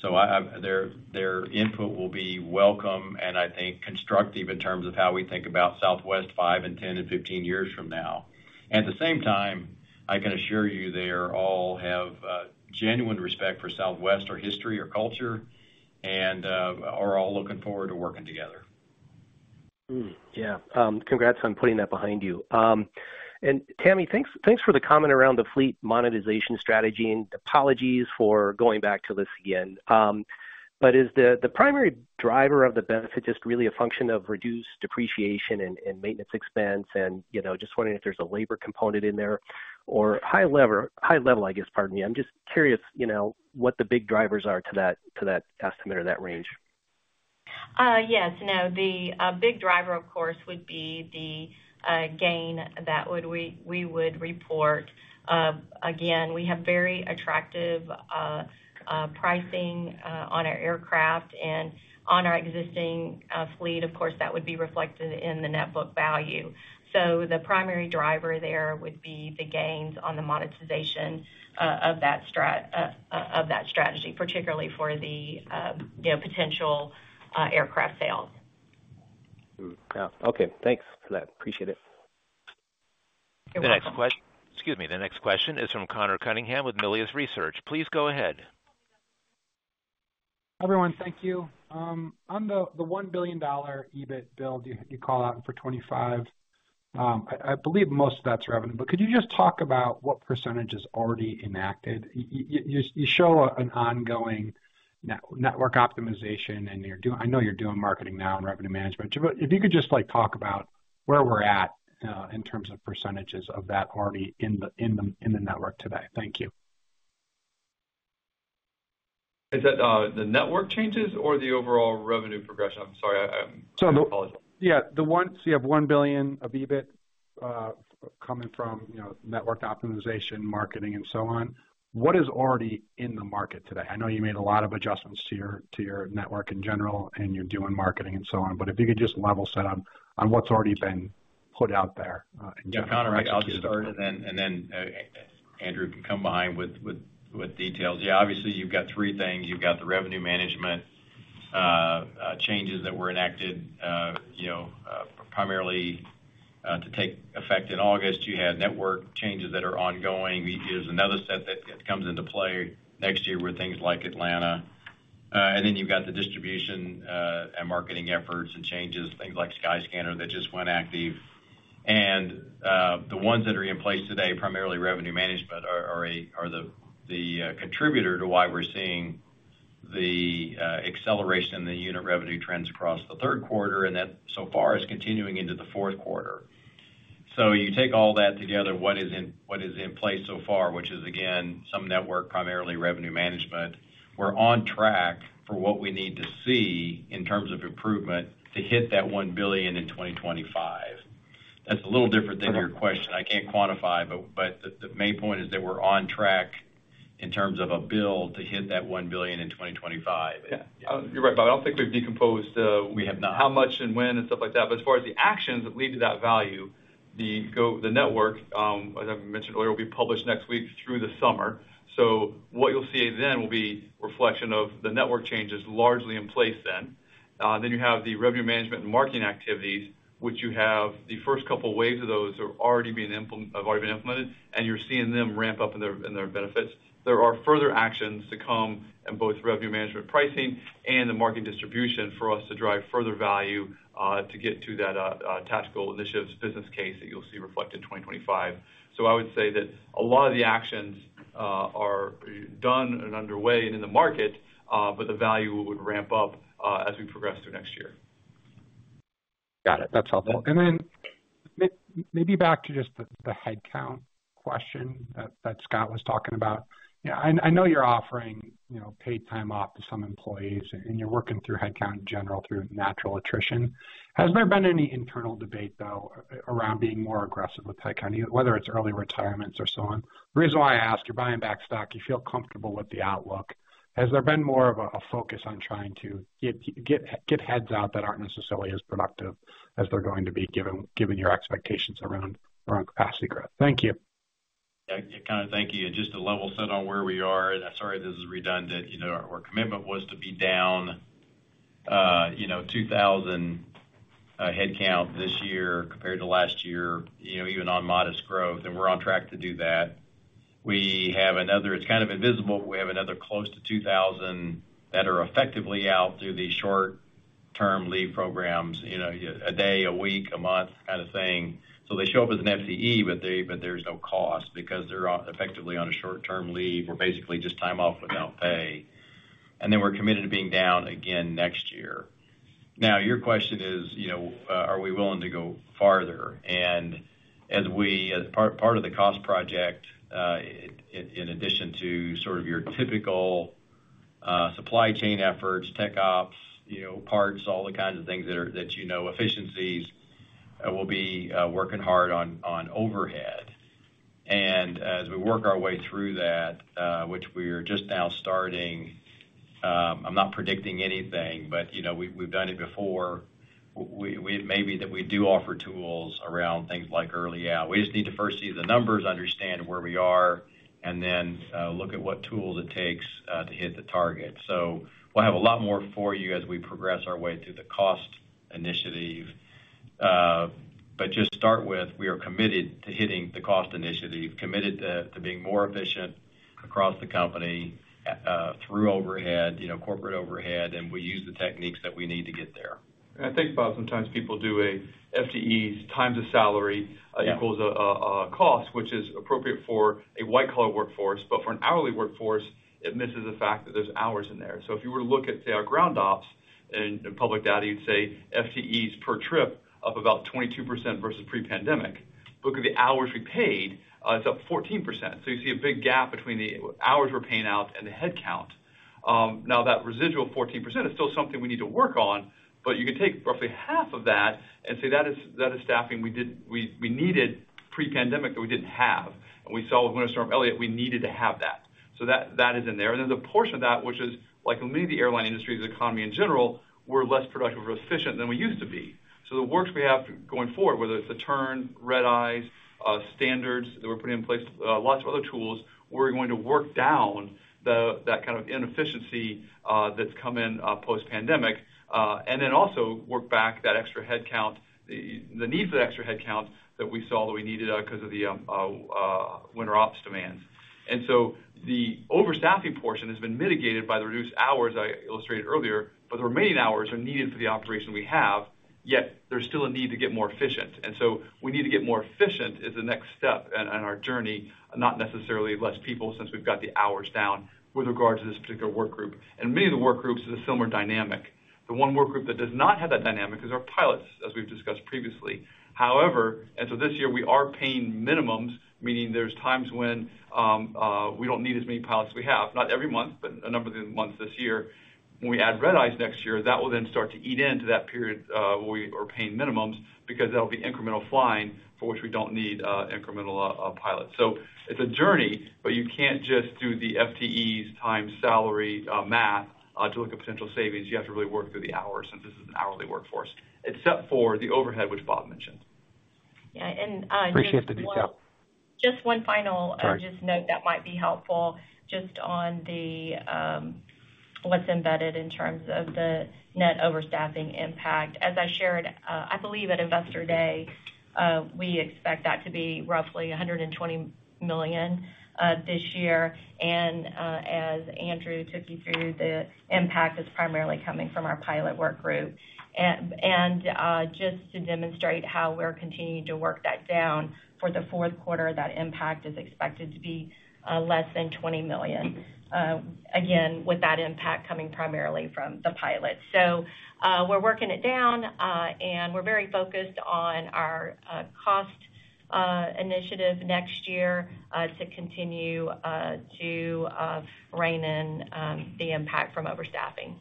so I... Their input will be welcome and, I think, constructive in terms of how we think about Southwest five and 10 and 15 years from now. At the same time, I can assure you they all have genuine respect for Southwest, our history, our culture, and are all looking forward to working together. Yeah. Congrats on putting that behind you. Tammy, thanks for the comment around the fleet monetization strategy, and apologies for going back to this again, but is the primary driver of the benefit just really a function of reduced depreciation and maintenance expense? You know, just wondering if there's a labor component in there or high level, I guess, pardon me. I'm just curious, you know, what the big drivers are to that estimate or that range. Yes. No, the big driver, of course, would be the gain that we would report. Again, we have very attractive pricing on our aircraft and on our existing fleet. Of course, that would be reflected in the net book value. So the primary driver there would be the gains on the monetization of that strategy, particularly for the, you know, potential aircraft sales. Hmm. Yeah. Okay, thanks for that. Appreciate it. You're welcome. The next question is from Conor Cunningham with Melius Research. Please go ahead. Everyone, thank you. On the $1 billion EBIT build you called out for 2025, I believe most of that's revenue. But could you just talk about what percentage is already enacted? You show an ongoing network optimization, and you're doing... I know you're doing marketing now and revenue management. But if you could just, like, talk about where we're at in terms of percentages of that already in the network today. Thank you.... Is that, the network changes or the overall revenue progression? I'm sorry, I apologize. Yeah, the one, so you have $1 billion of EBIT coming from, you know, network optimization, marketing, and so on. What is already in the market today? I know you made a lot of adjustments to your to your network in general, and you're doing marketing and so on, but if you could just level set on on what's already been put out there, in general. Yeah, Conor, I'll just start, and then Andrew can come behind with details. Yeah, obviously, you've got three things. You've got the revenue management changes that were enacted, you know, primarily to take effect in August. You had network changes that are ongoing. There's another set that comes into play next year with things like Atlanta. And then you've got the distribution and marketing efforts and changes, things like Skyscanner that just went active. And the ones that are in place today, primarily revenue management, are the contributor to why we're seeing the acceleration in the unit revenue trends across the third quarter, and that, so far, is continuing into the fourth quarter. So you take all that together, what is in place so far, which is, again, some network, primarily revenue management. We're on track for what we need to see in terms of improvement to hit that $1 billion in 2025. That's a little different than your question. I can't quantify, but the main point is that we're on track in terms of ability to hit that $1 billion in 2025. Yeah, you're right, Bob. I don't think we've decomposed, We have not. How much and when, and stuff like that. But as far as the actions that lead to that value, the network, as I mentioned earlier, will be published next week through the summer. So what you'll see then will be reflection of the network changes largely in place then. Then you have the revenue management and marketing activities, which the first couple of waves of those have already been implemented, and you're seeing them ramp up in their benefits. There are further actions to come in both revenue management pricing and the marketing distribution for us to drive further value, to get to that, tactical initiatives business case that you'll see reflect in twenty twenty-five. So I would say that a lot of the actions are done and underway and in the market, but the value would ramp up as we progress through next year. Got it. That's helpful. And then maybe back to just the headcount question that Scott was talking about. Yeah, I know you're offering, you know, paid time off to some employees, and you're working through headcount in general through natural attrition. Has there been any internal debate, though, around being more aggressive with headcount, whether it's early retirements or so on? The reason why I ask, you're buying back stock, you feel comfortable with the outlook. Has there been more of a focus on trying to get heads out that aren't necessarily as productive as they're going to be, given your expectations around capacity growth? Thank you. Yeah. Kind of, thank you. Just to level set on where we are, and I'm sorry, this is redundant. You know, our commitment was to be down, you know, two thousand headcount this year compared to last year, you know, even on modest growth, and we're on track to do that. We have another. It's kind of invisible, we have another close to two thousand that are effectively out through these short-term leave programs, you know, a day, a week, a month kind of thing. So they show up as an FTE, but there's no cost because they're on, effectively on a short-term leave or basically just time off without pay. And then we're committed to being down again next year. Now, your question is, you know, are we willing to go farther? As part of the cost project, in addition to sort of your typical supply chain efforts, tech ops, you know, parts, all the kinds of things that are, you know, efficiencies, we'll be working hard on overhead. As we work our way through that, which we are just now starting, I'm not predicting anything, but you know, we've done it before. It may be that we do offer tools around things like early out. We just need to first see the numbers, understand where we are, and then look at what tools it takes to hit the target. We'll have a lot more for you as we progress our way through the cost initiative. But just start with, we are committed to hitting the cost initiative, committed to being more efficient across the company, through overhead, you know, corporate overhead, and we use the techniques that we need to get there. And I think, Bob, sometimes people do a FTE times a salary- Yeah. equals a cost, which is appropriate for a white-collar workforce, but for an hourly workforce, it misses the fact that there's hours in there. So if you were to look at, say, our ground ops and public data, you'd say FTEs per trip up about 22% versus pre-pandemic. Look at the hours we paid, it's up 14%. So you see a big gap between the hours we're paying out and the headcount. Now, that residual 14% is still something we need to work on, but you can take roughly half of that and say that is staffing we needed pre-pandemic, that we didn't have. And we saw with winter storm Elliott, we needed to have that. So that is in there. And then the portion of that, which is like many of the airline industry, economy in general, we're less productive or efficient than we used to be. So the work we have going forward, whether it's the turn, red eyes, standards that we're putting in place, lots of other tools, we're going to work down the, that kind of inefficiency that's come in post-pandemic, and then also work back that extra headcount, the needs of the extra headcount that we saw that we needed 'cause of the winter ops demands, and so the overstaffing portion has been mitigated by the reduced hours I illustrated earlier, but the remaining hours are needed for the operation we have, yet there's still a need to get more efficient. And so we need to get more efficient is the next step on our journey, not necessarily less people, since we've got the hours down with regards to this particular workgroup. And many of the workgroups is a similar dynamic. The one work group that does not have that dynamic is our pilots, as we've discussed previously. However, and so this year we are paying minimums, meaning there's times when we don't need as many pilots as we have, not every month, but a number of the months this year. When we add Red Eyes next year, that will then start to eat into that period where we are paying minimums because that'll be incremental flying, for which we don't need incremental pilots. So it's a journey, but you can't just do the FTEs times salary math to look at potential savings. You have to really work through the hours, since this is an hourly workforce, except for the overhead, which Bob mentioned. Yeah, and, Appreciate the detail. Just one final- Sorry. Just note that might be helpful just on the, what's embedded in terms of the net overstaffing impact. As I shared, I believe at Investor Day, we expect that to be roughly $120 million this year. And as Andrew took you through, the impact is primarily coming from our pilot work group. And just to demonstrate how we're continuing to work that down, for the fourth quarter, that impact is expected to be less than $20 million, again with that impact coming primarily from the pilots. So we're working it down, and we're very focused on our cost initiative next year to continue to rein in the impact from overstaffing.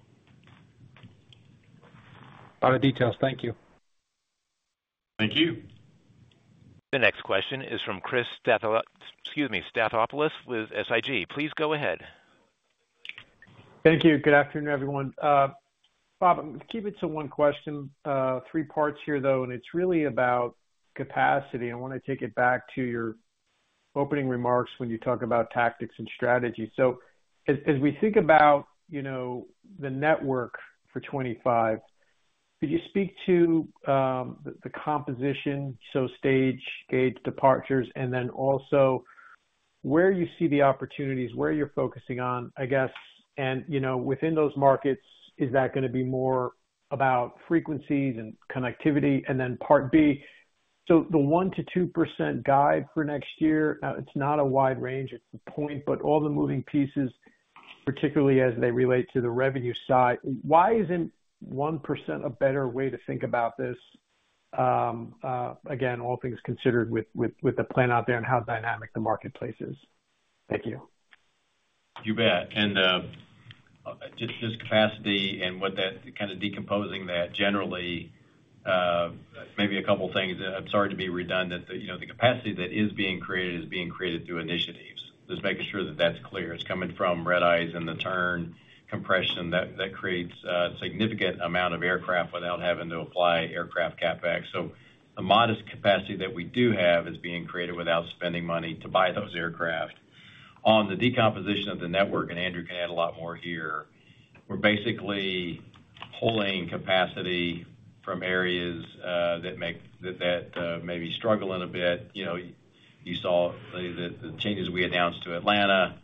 A lot of details. Thank you. Thank you. The next question is from Chris Stathoulopoulos with SIG. Please go ahead. Thank you. Good afternoon, everyone. Bob, keep it to one question, three parts here, though, and it's really about capacity. I wanna take it back to your opening remarks when you talk about tactics and strategy. So as we think about, you know, the network for 2025, could you speak to the composition, so stage, gauge, departures, and then also where you see the opportunities, where you're focusing on, I guess, and, you know, within those markets, is that gonna be more about frequencies and connectivity? And then part B, so the 1%-2% guide for next year, it's not a wide range, it's a point, but all the moving pieces, particularly as they relate to the revenue side, why isn't 1% a better way to think about this? Again, all things considered with the plan out there and how dynamic the marketplace is. Thank you. You bet, and just this capacity and what that kinda decomposing that generally, maybe a couple of things. I'm sorry to be redundant, but you know, the capacity that is being created is being created through initiatives. Just making sure that that's clear. It's coming from red-eyes and the turn compression that creates a significant amount of aircraft without having to apply aircraft CapEx. So the modest capacity that we do have is being created without spending money to buy those aircraft. On the decomposition of the network, and Andrew can add a lot more here, we're basically pulling capacity from areas that may be struggling a bit. You know, you saw the changes we announced to Atlanta,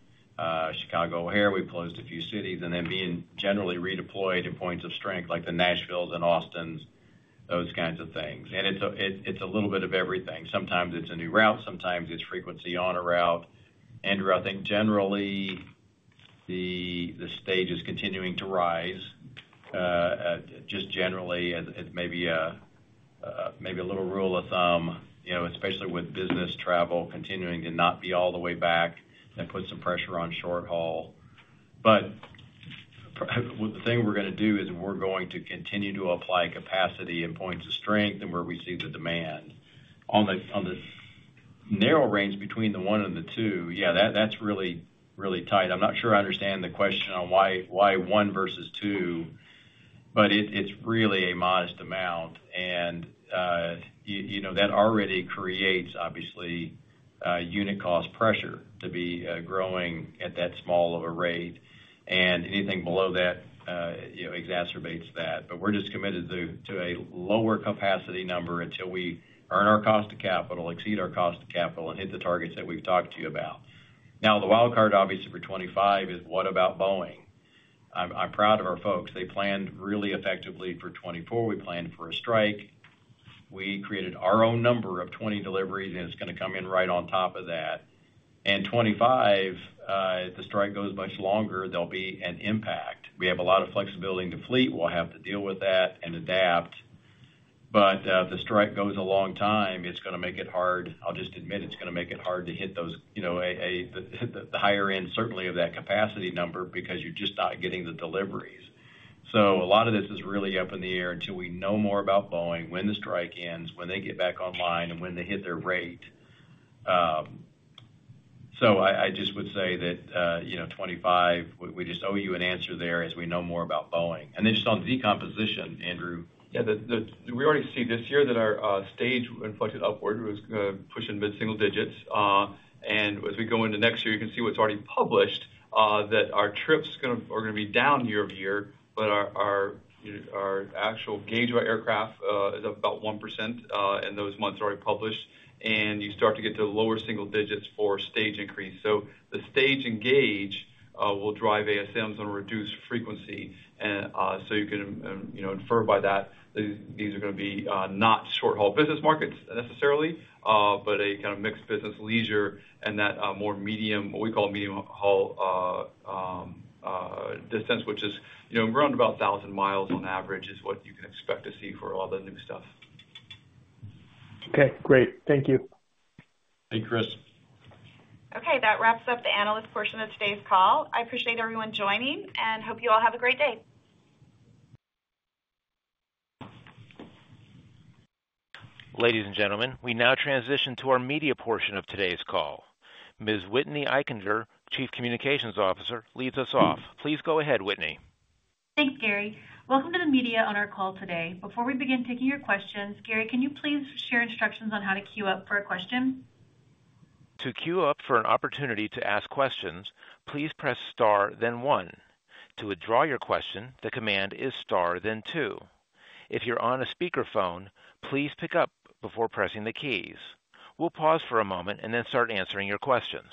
Chicago O'Hare, we closed a few cities, and they're being generally redeployed in points of strength, like the Nashvilles and Austins, those kinds of things. And it's a little bit of everything. Sometimes it's a new route, sometimes it's frequency on a route. Andrew, I think generally, the stage is continuing to rise, just generally, as maybe a little rule of thumb, you know, especially with business travel continuing to not be all the way back and put some pressure on short haul. But well, the thing we're gonna do is we're going to continue to apply capacity in points of strength and where we see the demand. On the narrow range between the one and the two, yeah, that's really, really tight. I'm not sure I understand the question on why, why one versus two, but it, it's really a modest amount, and, you know, that already creates, obviously, unit cost pressure to be, growing at that small of a rate, and anything below that, you know, exacerbates that. But we're just committed to a lower capacity number until we earn our cost of capital, exceed our cost of capital, and hit the targets that we've talked to you about. Now, the wild card, obviously, for 2025 is what about Boeing? I'm proud of our folks. They planned really effectively for 2024. We planned for a strike. We created our own number of twenty deliveries, and it's gonna come in right on top of that. And 2025, if the strike goes much longer, there'll be an impact. We have a lot of flexibility in the fleet. We'll have to deal with that and adapt. But if the strike goes a long time, it's gonna make it hard. I'll just admit, it's gonna make it hard to hit those, you know, the higher end, certainly, of that capacity number, because you're just not getting the deliveries. So a lot of this is really up in the air until we know more about Boeing, when the strike ends, when they get back online, and when they hit their rate. So I just would say that, you know, 2025, we just owe you an answer there as we know more about Boeing. And then just on decomposition, Andrew. Yeah, we already see this year that our stage inflected upward, pushing mid-single digits. And as we go into next year, you can see what's already published that our trips are gonna be down year over year, but our, you know, our actual gauge by aircraft is about 1% in those months already published, and you start to get to lower single digits for stage increase. So the stage and gauge will drive ASMs on a reduced frequency. So you can, you know, infer by that. These are gonna be not short-haul business markets necessarily, but a kind of mixed business leisure and that, more medium, what we call medium-haul, distance, which is, you know, around about 1,000 miles on average, is what you can expect to see for all the new stuff. Okay, great. Thank you. Thank you, Chris. Okay, that wraps up the analyst portion of today's call. I appreciate everyone joining, and hope you all have a great day. Ladies and gentlemen, we now transition to our media portion of today's call. Ms. Whitney Eichinger, Chief Communications Officer, leads us off. Please go ahead, Whitney. Thanks, Gary. Welcome to the media on our call today. Before we begin taking your questions, Gary, can you please share instructions on how to queue up for a question? To queue up for an opportunity to ask questions, please press star, then one. To withdraw your question, the command is star, then two. If you're on a speakerphone, please pick up before pressing the keys. We'll pause for a moment and then start answering your questions.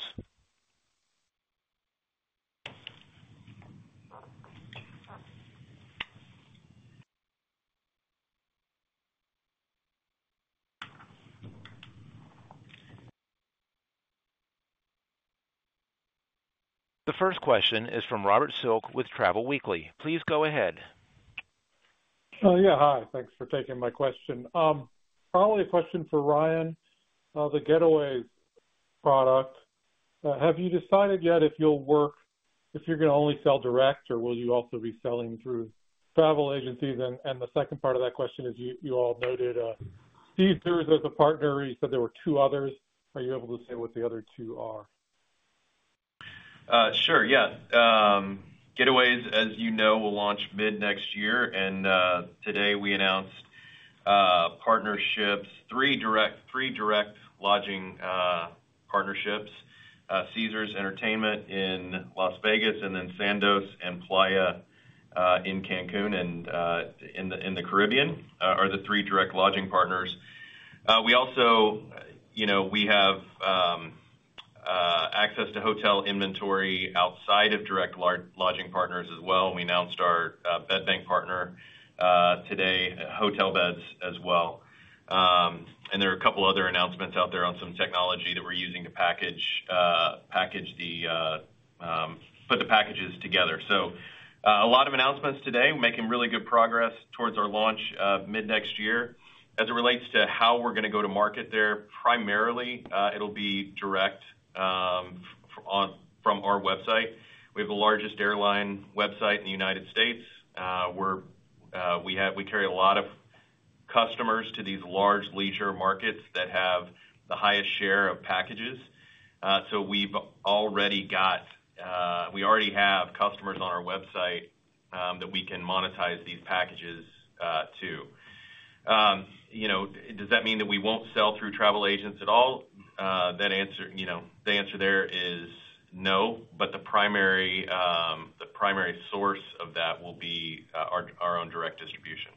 The first question is from Robert Silk with Travel Weekly. Please go ahead. Yeah, hi. Thanks for taking my question. Probably a question for Ryan. The Getaways product, have you decided yet if you're going to only sell direct, or will you also be selling through travel agencies? And the second part of that question is, you all noted Caesars as a partner, you said there were two others. Are you able to say what the other two are? Sure, yes. Getaways, as you know, will launch mid-next year, and today we announced partnerships, three direct lodging partnerships, Caesars Entertainment in Las Vegas, and then Sandos and Playa in Cancun and in the Caribbean are the three direct lodging partners. We also, you know, we have access to hotel inventory outside of direct lodging partners as well. We announced our bed bank partner today, Hotelbeds as well, and there are a couple other announcements out there on some technology that we're using to package the packages together, so a lot of announcements today, making really good progress towards our launch mid-next year. As it relates to how we're gonna go to market there, primarily, it'll be direct from our website. We have the largest airline website in the United States. We carry a lot of customers to these large leisure markets that have the highest share of packages. So we've already got we already have customers on our website that we can monetize these packages to. You know, does that mean that we won't sell through travel agents at all? That answer, you know, the answer there is no, but the primary source of that will be our own direct distribution.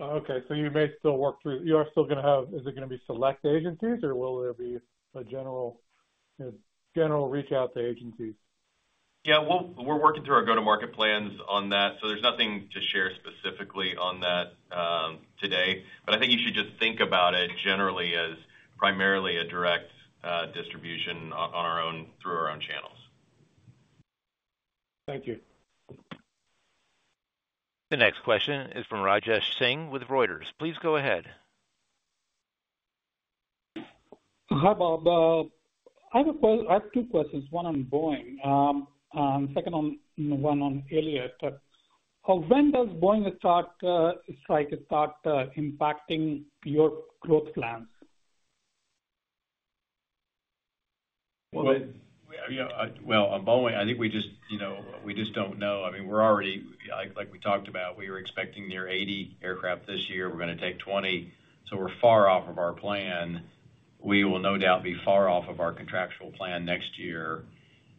Okay. So you may still work through... You are still gonna have-- is it gonna be select agencies, or will there be a general reach out to agencies? Yeah, we're working through our go-to-market plans on that, so there's nothing to share specifically on that, today. But I think you should just think about it generally as primarily a direct distribution on our own, through our own channels. Thank you. The next question is from Rajesh Singh with Reuters. Please go ahead. Hi, Bob. I have two questions, one on Boeing, second one on Elliott. When does Boeing strike start impacting your growth plans? You know, on Boeing, I think we just, you know, we just don't know. I mean, we're already, like, we talked about, we were expecting near 80 aircraft this year. We're gonna take 20, so we're far off of our plan. We will no doubt be far off of our contractual plan next year.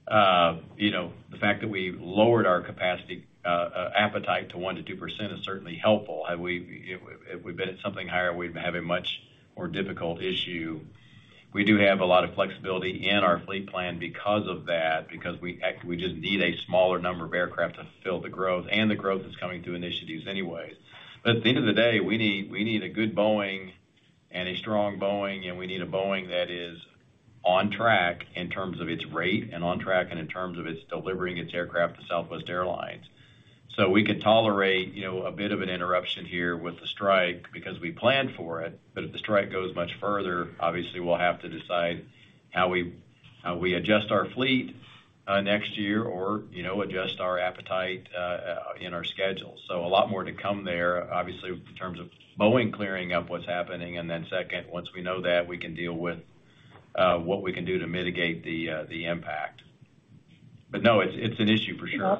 You know, the fact that we lowered our capacity appetite to 1% to 2% is certainly helpful. Had we, if we've been at something higher, we'd have a much more difficult issue. We do have a lot of flexibility in our fleet plan because of that, because we just need a smaller number of aircraft to fill the growth, and the growth is coming through initiatives anyway. But at the end of the day, we need, we need a good Boeing and a strong Boeing, and we need a Boeing that is on track in terms of its rate, and on track and in terms of its delivering its aircraft to Southwest Airlines. So we could tolerate, you know, a bit of an interruption here with the strike because we planned for it. But if the strike goes much further, obviously, we'll have to decide how we, how we adjust our fleet, next year or, you know, adjust our appetite, in our schedule. So a lot more to come there, obviously, in terms of Boeing clearing up what's happening. And then second, once we know that, we can deal with, what we can do to mitigate the, the impact. But no, it's an issue for sure.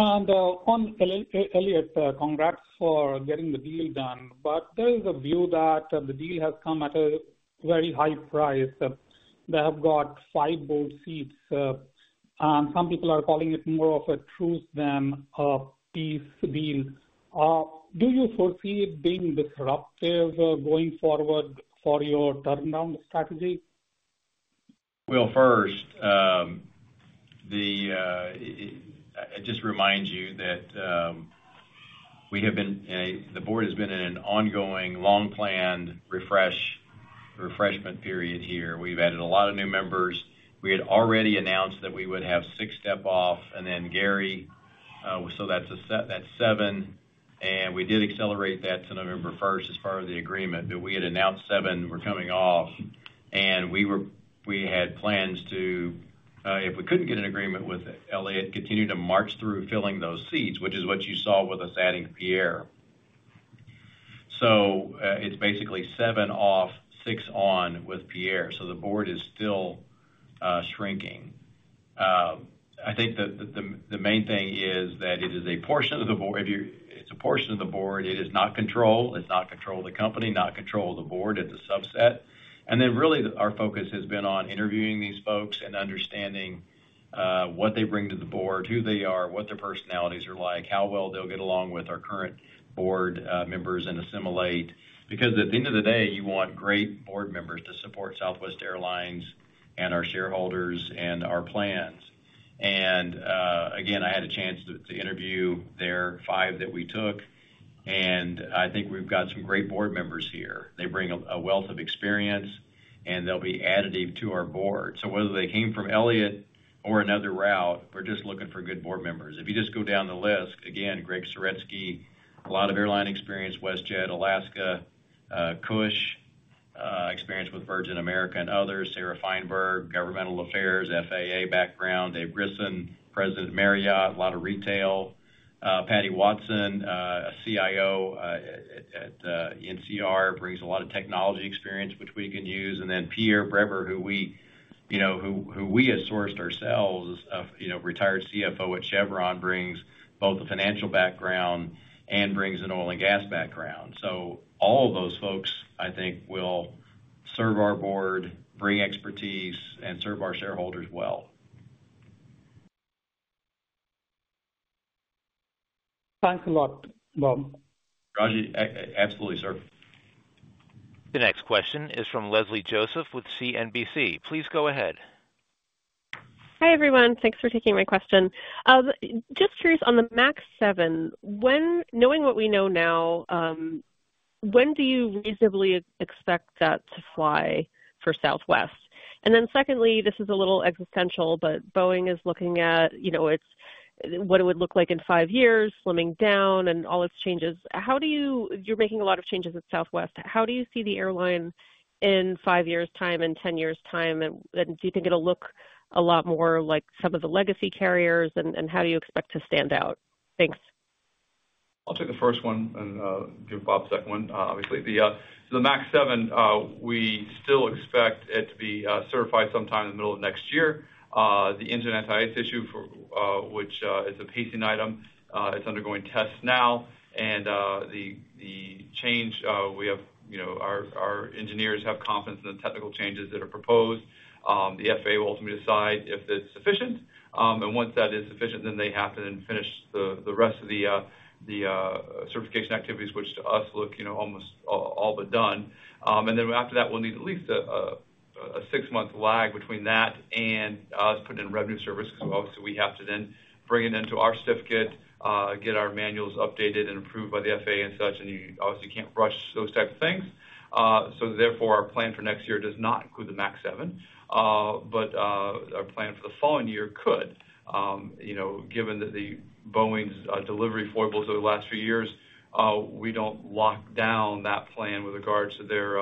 On Elliott, congrats for getting the deal done, but there is a view that the deal has come at a very high price. They have got five board seats, and some people are calling it more of a truce than a peace deal. Do you foresee it being disruptive going forward for your turnaround strategy? First, I just remind you that we have been in a, the board has been in an ongoing, long-planned refresh- ...refreshment period here. We've added a lot of new members. We had already announced that we would have six step off, and then Gary, so that's seven, and we did accelerate that to November first as part of the agreement. But we had announced seven were coming off, and we had plans to, if we couldn't get an agreement with Elliott, continue to march through filling those seats, which is what you saw with us adding Pierre. So, it's basically seven off, six on with Pierre, so the board is still shrinking. I think that the main thing is that it is a portion of the board. It's a portion of the board, it is not control. It's not control of the company, not control of the board. It's a subset. And then, really, our focus has been on interviewing these folks and understanding what they bring to the board, who they are, what their personalities are like, how well they'll get along with our current board members and assimilate. Because at the end of the day, you want great board members to support Southwest Airlines and our shareholders and our plans. And again, I had a chance to interview the five that we took, and I think we've got some great board members here. They bring a wealth of experience, and they'll be additive to our board. So whether they came from Elliott or another route, we're just looking for good board members. If you just go down the list, again, Gregg Saretsky, a lot of airline experience, WestJet, Alaska, Cush, experience with Virgin America and others. Sarah Feinberg, Governmental Affairs, FAA background. David Grissen, president of Marriott, a lot of retail. Patty Watson, a CIO at NCR, brings a lot of technology experience which we can use. And then Pierre Breber, who we, you know, have sourced ourselves, you know, retired CFO at Chevron, brings both a financial background and brings an oil and gas background. So all of those folks, I think, will serve our board, bring expertise, and serve our shareholders well. Thanks a lot, Bob. Raji, absolutely, sir. The next question is from Leslie Josephs with CNBC. Please go ahead. Hi, everyone. Thanks for taking my question. Just curious, on the MAX 7, when, knowing what we know now, when do you reasonably expect that to fly for Southwest? And then secondly, this is a little existential, but Boeing is looking at, you know, it's what it would look like in five years, slimming down and all its changes. How do you... You're making a lot of changes at Southwest. How do you see the airline in five years' time, in ten years' time? And, and do you think it'll look a lot more like some of the legacy carriers, and, and how do you expect to stand out? Thanks. I'll take the first one and give Bob the second one, obviously. The MAX 7 we still expect it to be certified sometime in the middle of next year. The engine anti-ice issue for which is a pacing item. It's undergoing tests now, and the change we have, you know, our engineers have confidence in the technical changes that are proposed. The FAA will ultimately decide if it's sufficient, and once that is sufficient, then they have to finish the rest of the certification activities, which to us look, you know, almost all but done. And then after that, we'll need at least a six-month lag between that and us putting it in revenue service, because obviously, we have to then bring it into our certificate, get our manuals updated and approved by the FAA and such, and you obviously can't rush those type of things. So therefore, our plan for next year does not include the MAX 7, but our plan for the following year could. You know, given that the Boeing's delivery foibles over the last few years, we don't lock down that plan with regards to their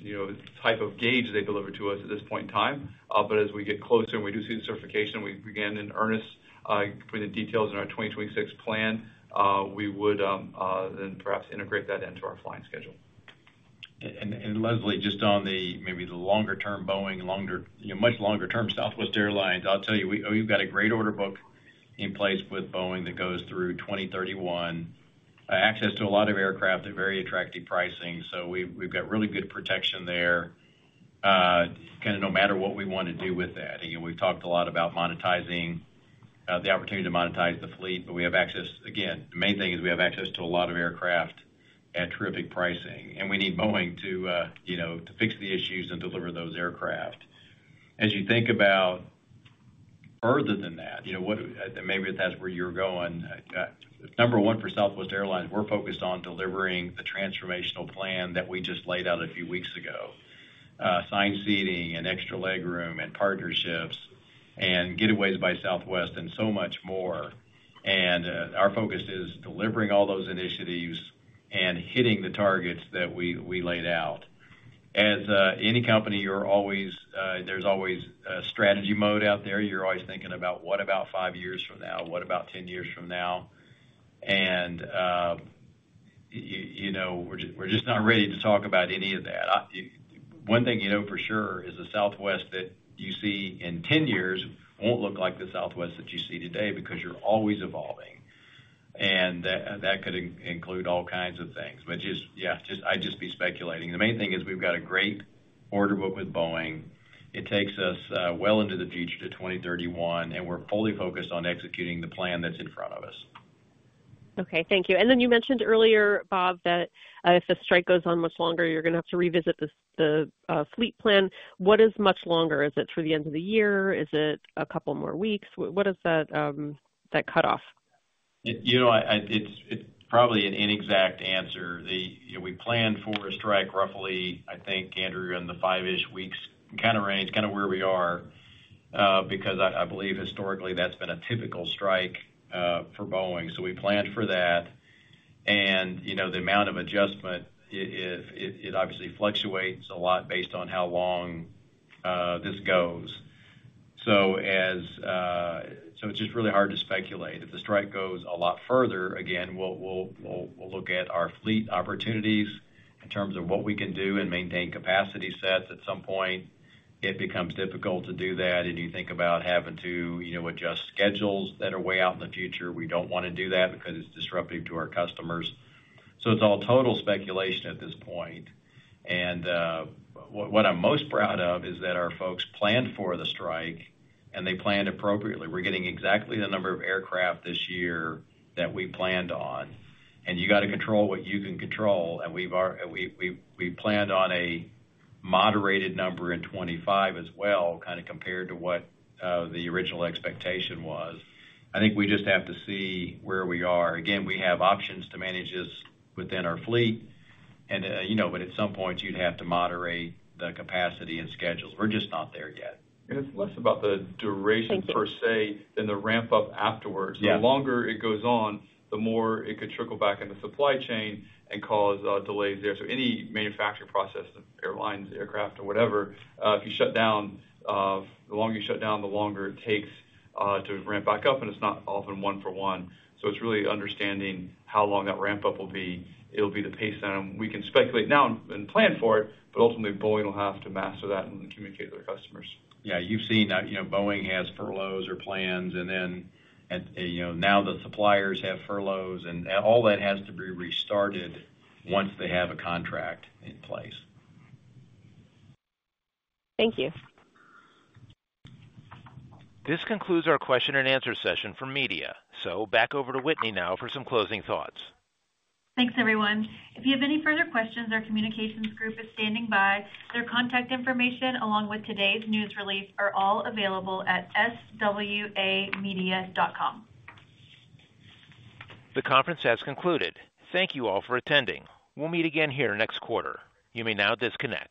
you know, type of gauge they deliver to us at this point in time. But as we get closer, and we do see the certification, we begin in earnest putting the details in our 2026 plan, we would then perhaps integrate that into our flying schedule. Leslie, just on the maybe the longer-term Boeing, you know, much longer-term Southwest Airlines, I'll tell you, we've got a great order book in place with Boeing that goes through 2031. Access to a lot of aircraft at very attractive pricing, so we've got really good protection there, kinda no matter what we wanna do with that. You know, we've talked a lot about monetizing the opportunity to monetize the fleet, but we have access. Again, the main thing is we have access to a lot of aircraft at terrific pricing, and we need Boeing to you know, to fix the issues and deliver those aircraft. As you think about further than that, you know, what maybe that's where you're going. Number one, for Southwest Airlines, we're focused on delivering the transformational plan that we just laid out a few weeks ago, assigned seating and extra legroom and partnerships and Getaways by Southwest and so much more. Our focus is delivering all those initiatives and hitting the targets that we laid out. As any company, you're always, there's always a strategy mode out there. You're always thinking about, what about five years from now? What about ten years from now? You know, we're just not ready to talk about any of that. One thing you know for sure is the Southwest that you see in ten years won't look like the Southwest that you see today, because you're always evolving, and that could include all kinds of things. But just, yeah, just, I'd just be speculating. The main thing is we've got a great order book with Boeing. It takes us well into the future to 2031, and we're fully focused on executing the plan that's in front of us. Okay, thank you. And then you mentioned earlier, Bob, that if the strike goes on much longer, you're gonna have to revisit this, the fleet plan. What is much longer? Is it through the end of the year? Is it a couple more weeks? What is that cutoff? ... You know, it's probably an inexact answer. You know, we planned for a strike roughly, I think, Andrew, in the five-ish weeks kind of range, kind of where we are, because I believe historically that's been a typical strike for Boeing. So we planned for that. And, you know, the amount of adjustment, it obviously fluctuates a lot based on how long this goes. So it's just really hard to speculate. If the strike goes a lot further, again, we'll look at our fleet opportunities in terms of what we can do and maintain capacity sets. At some point, it becomes difficult to do that, and you think about having to, you know, adjust schedules that are way out in the future. We don't wanna do that because it's disruptive to our customers. So it's all total speculation at this point. And, what I'm most proud of is that our folks planned for the strike, and they planned appropriately. We're getting exactly the number of aircraft this year that we planned on, and you gotta control what you can control, and we've planned on a moderated number in twenty-five as well, kind of compared to what the original expectation was. I think we just have to see where we are. Again, we have options to manage this within our fleet, and you know, but at some point, you'd have to moderate the capacity and schedules. We're just not there yet. It's less about the duration, per se, than the ramp up afterwards. Yeah. The longer it goes on, the more it could trickle back in the supply chain and cause delays there. So any manufacturing process of airlines, aircraft, or whatever, if you shut down, the longer you shut down, the longer it takes to ramp back up, and it's not often one for one. So it's really understanding how long that ramp up will be. It'll be the pace item. We can speculate now and plan for it, but ultimately, Boeing will have to master that and communicate to their customers. Yeah, you've seen that, you know, Boeing has furloughs or plans, and then, you know, now the suppliers have furloughs, and all that has to be restarted once they have a contract in place. Thank you. This concludes our question and answer session for media. So back over to Whitney now for some closing thoughts. Thanks, everyone. If you have any further questions, our communications group is standing by. Their contact information, along with today's news release, are all available at southwestmedia.com. The conference has concluded. Thank you all for attending. We'll meet again here next quarter. You may now disconnect.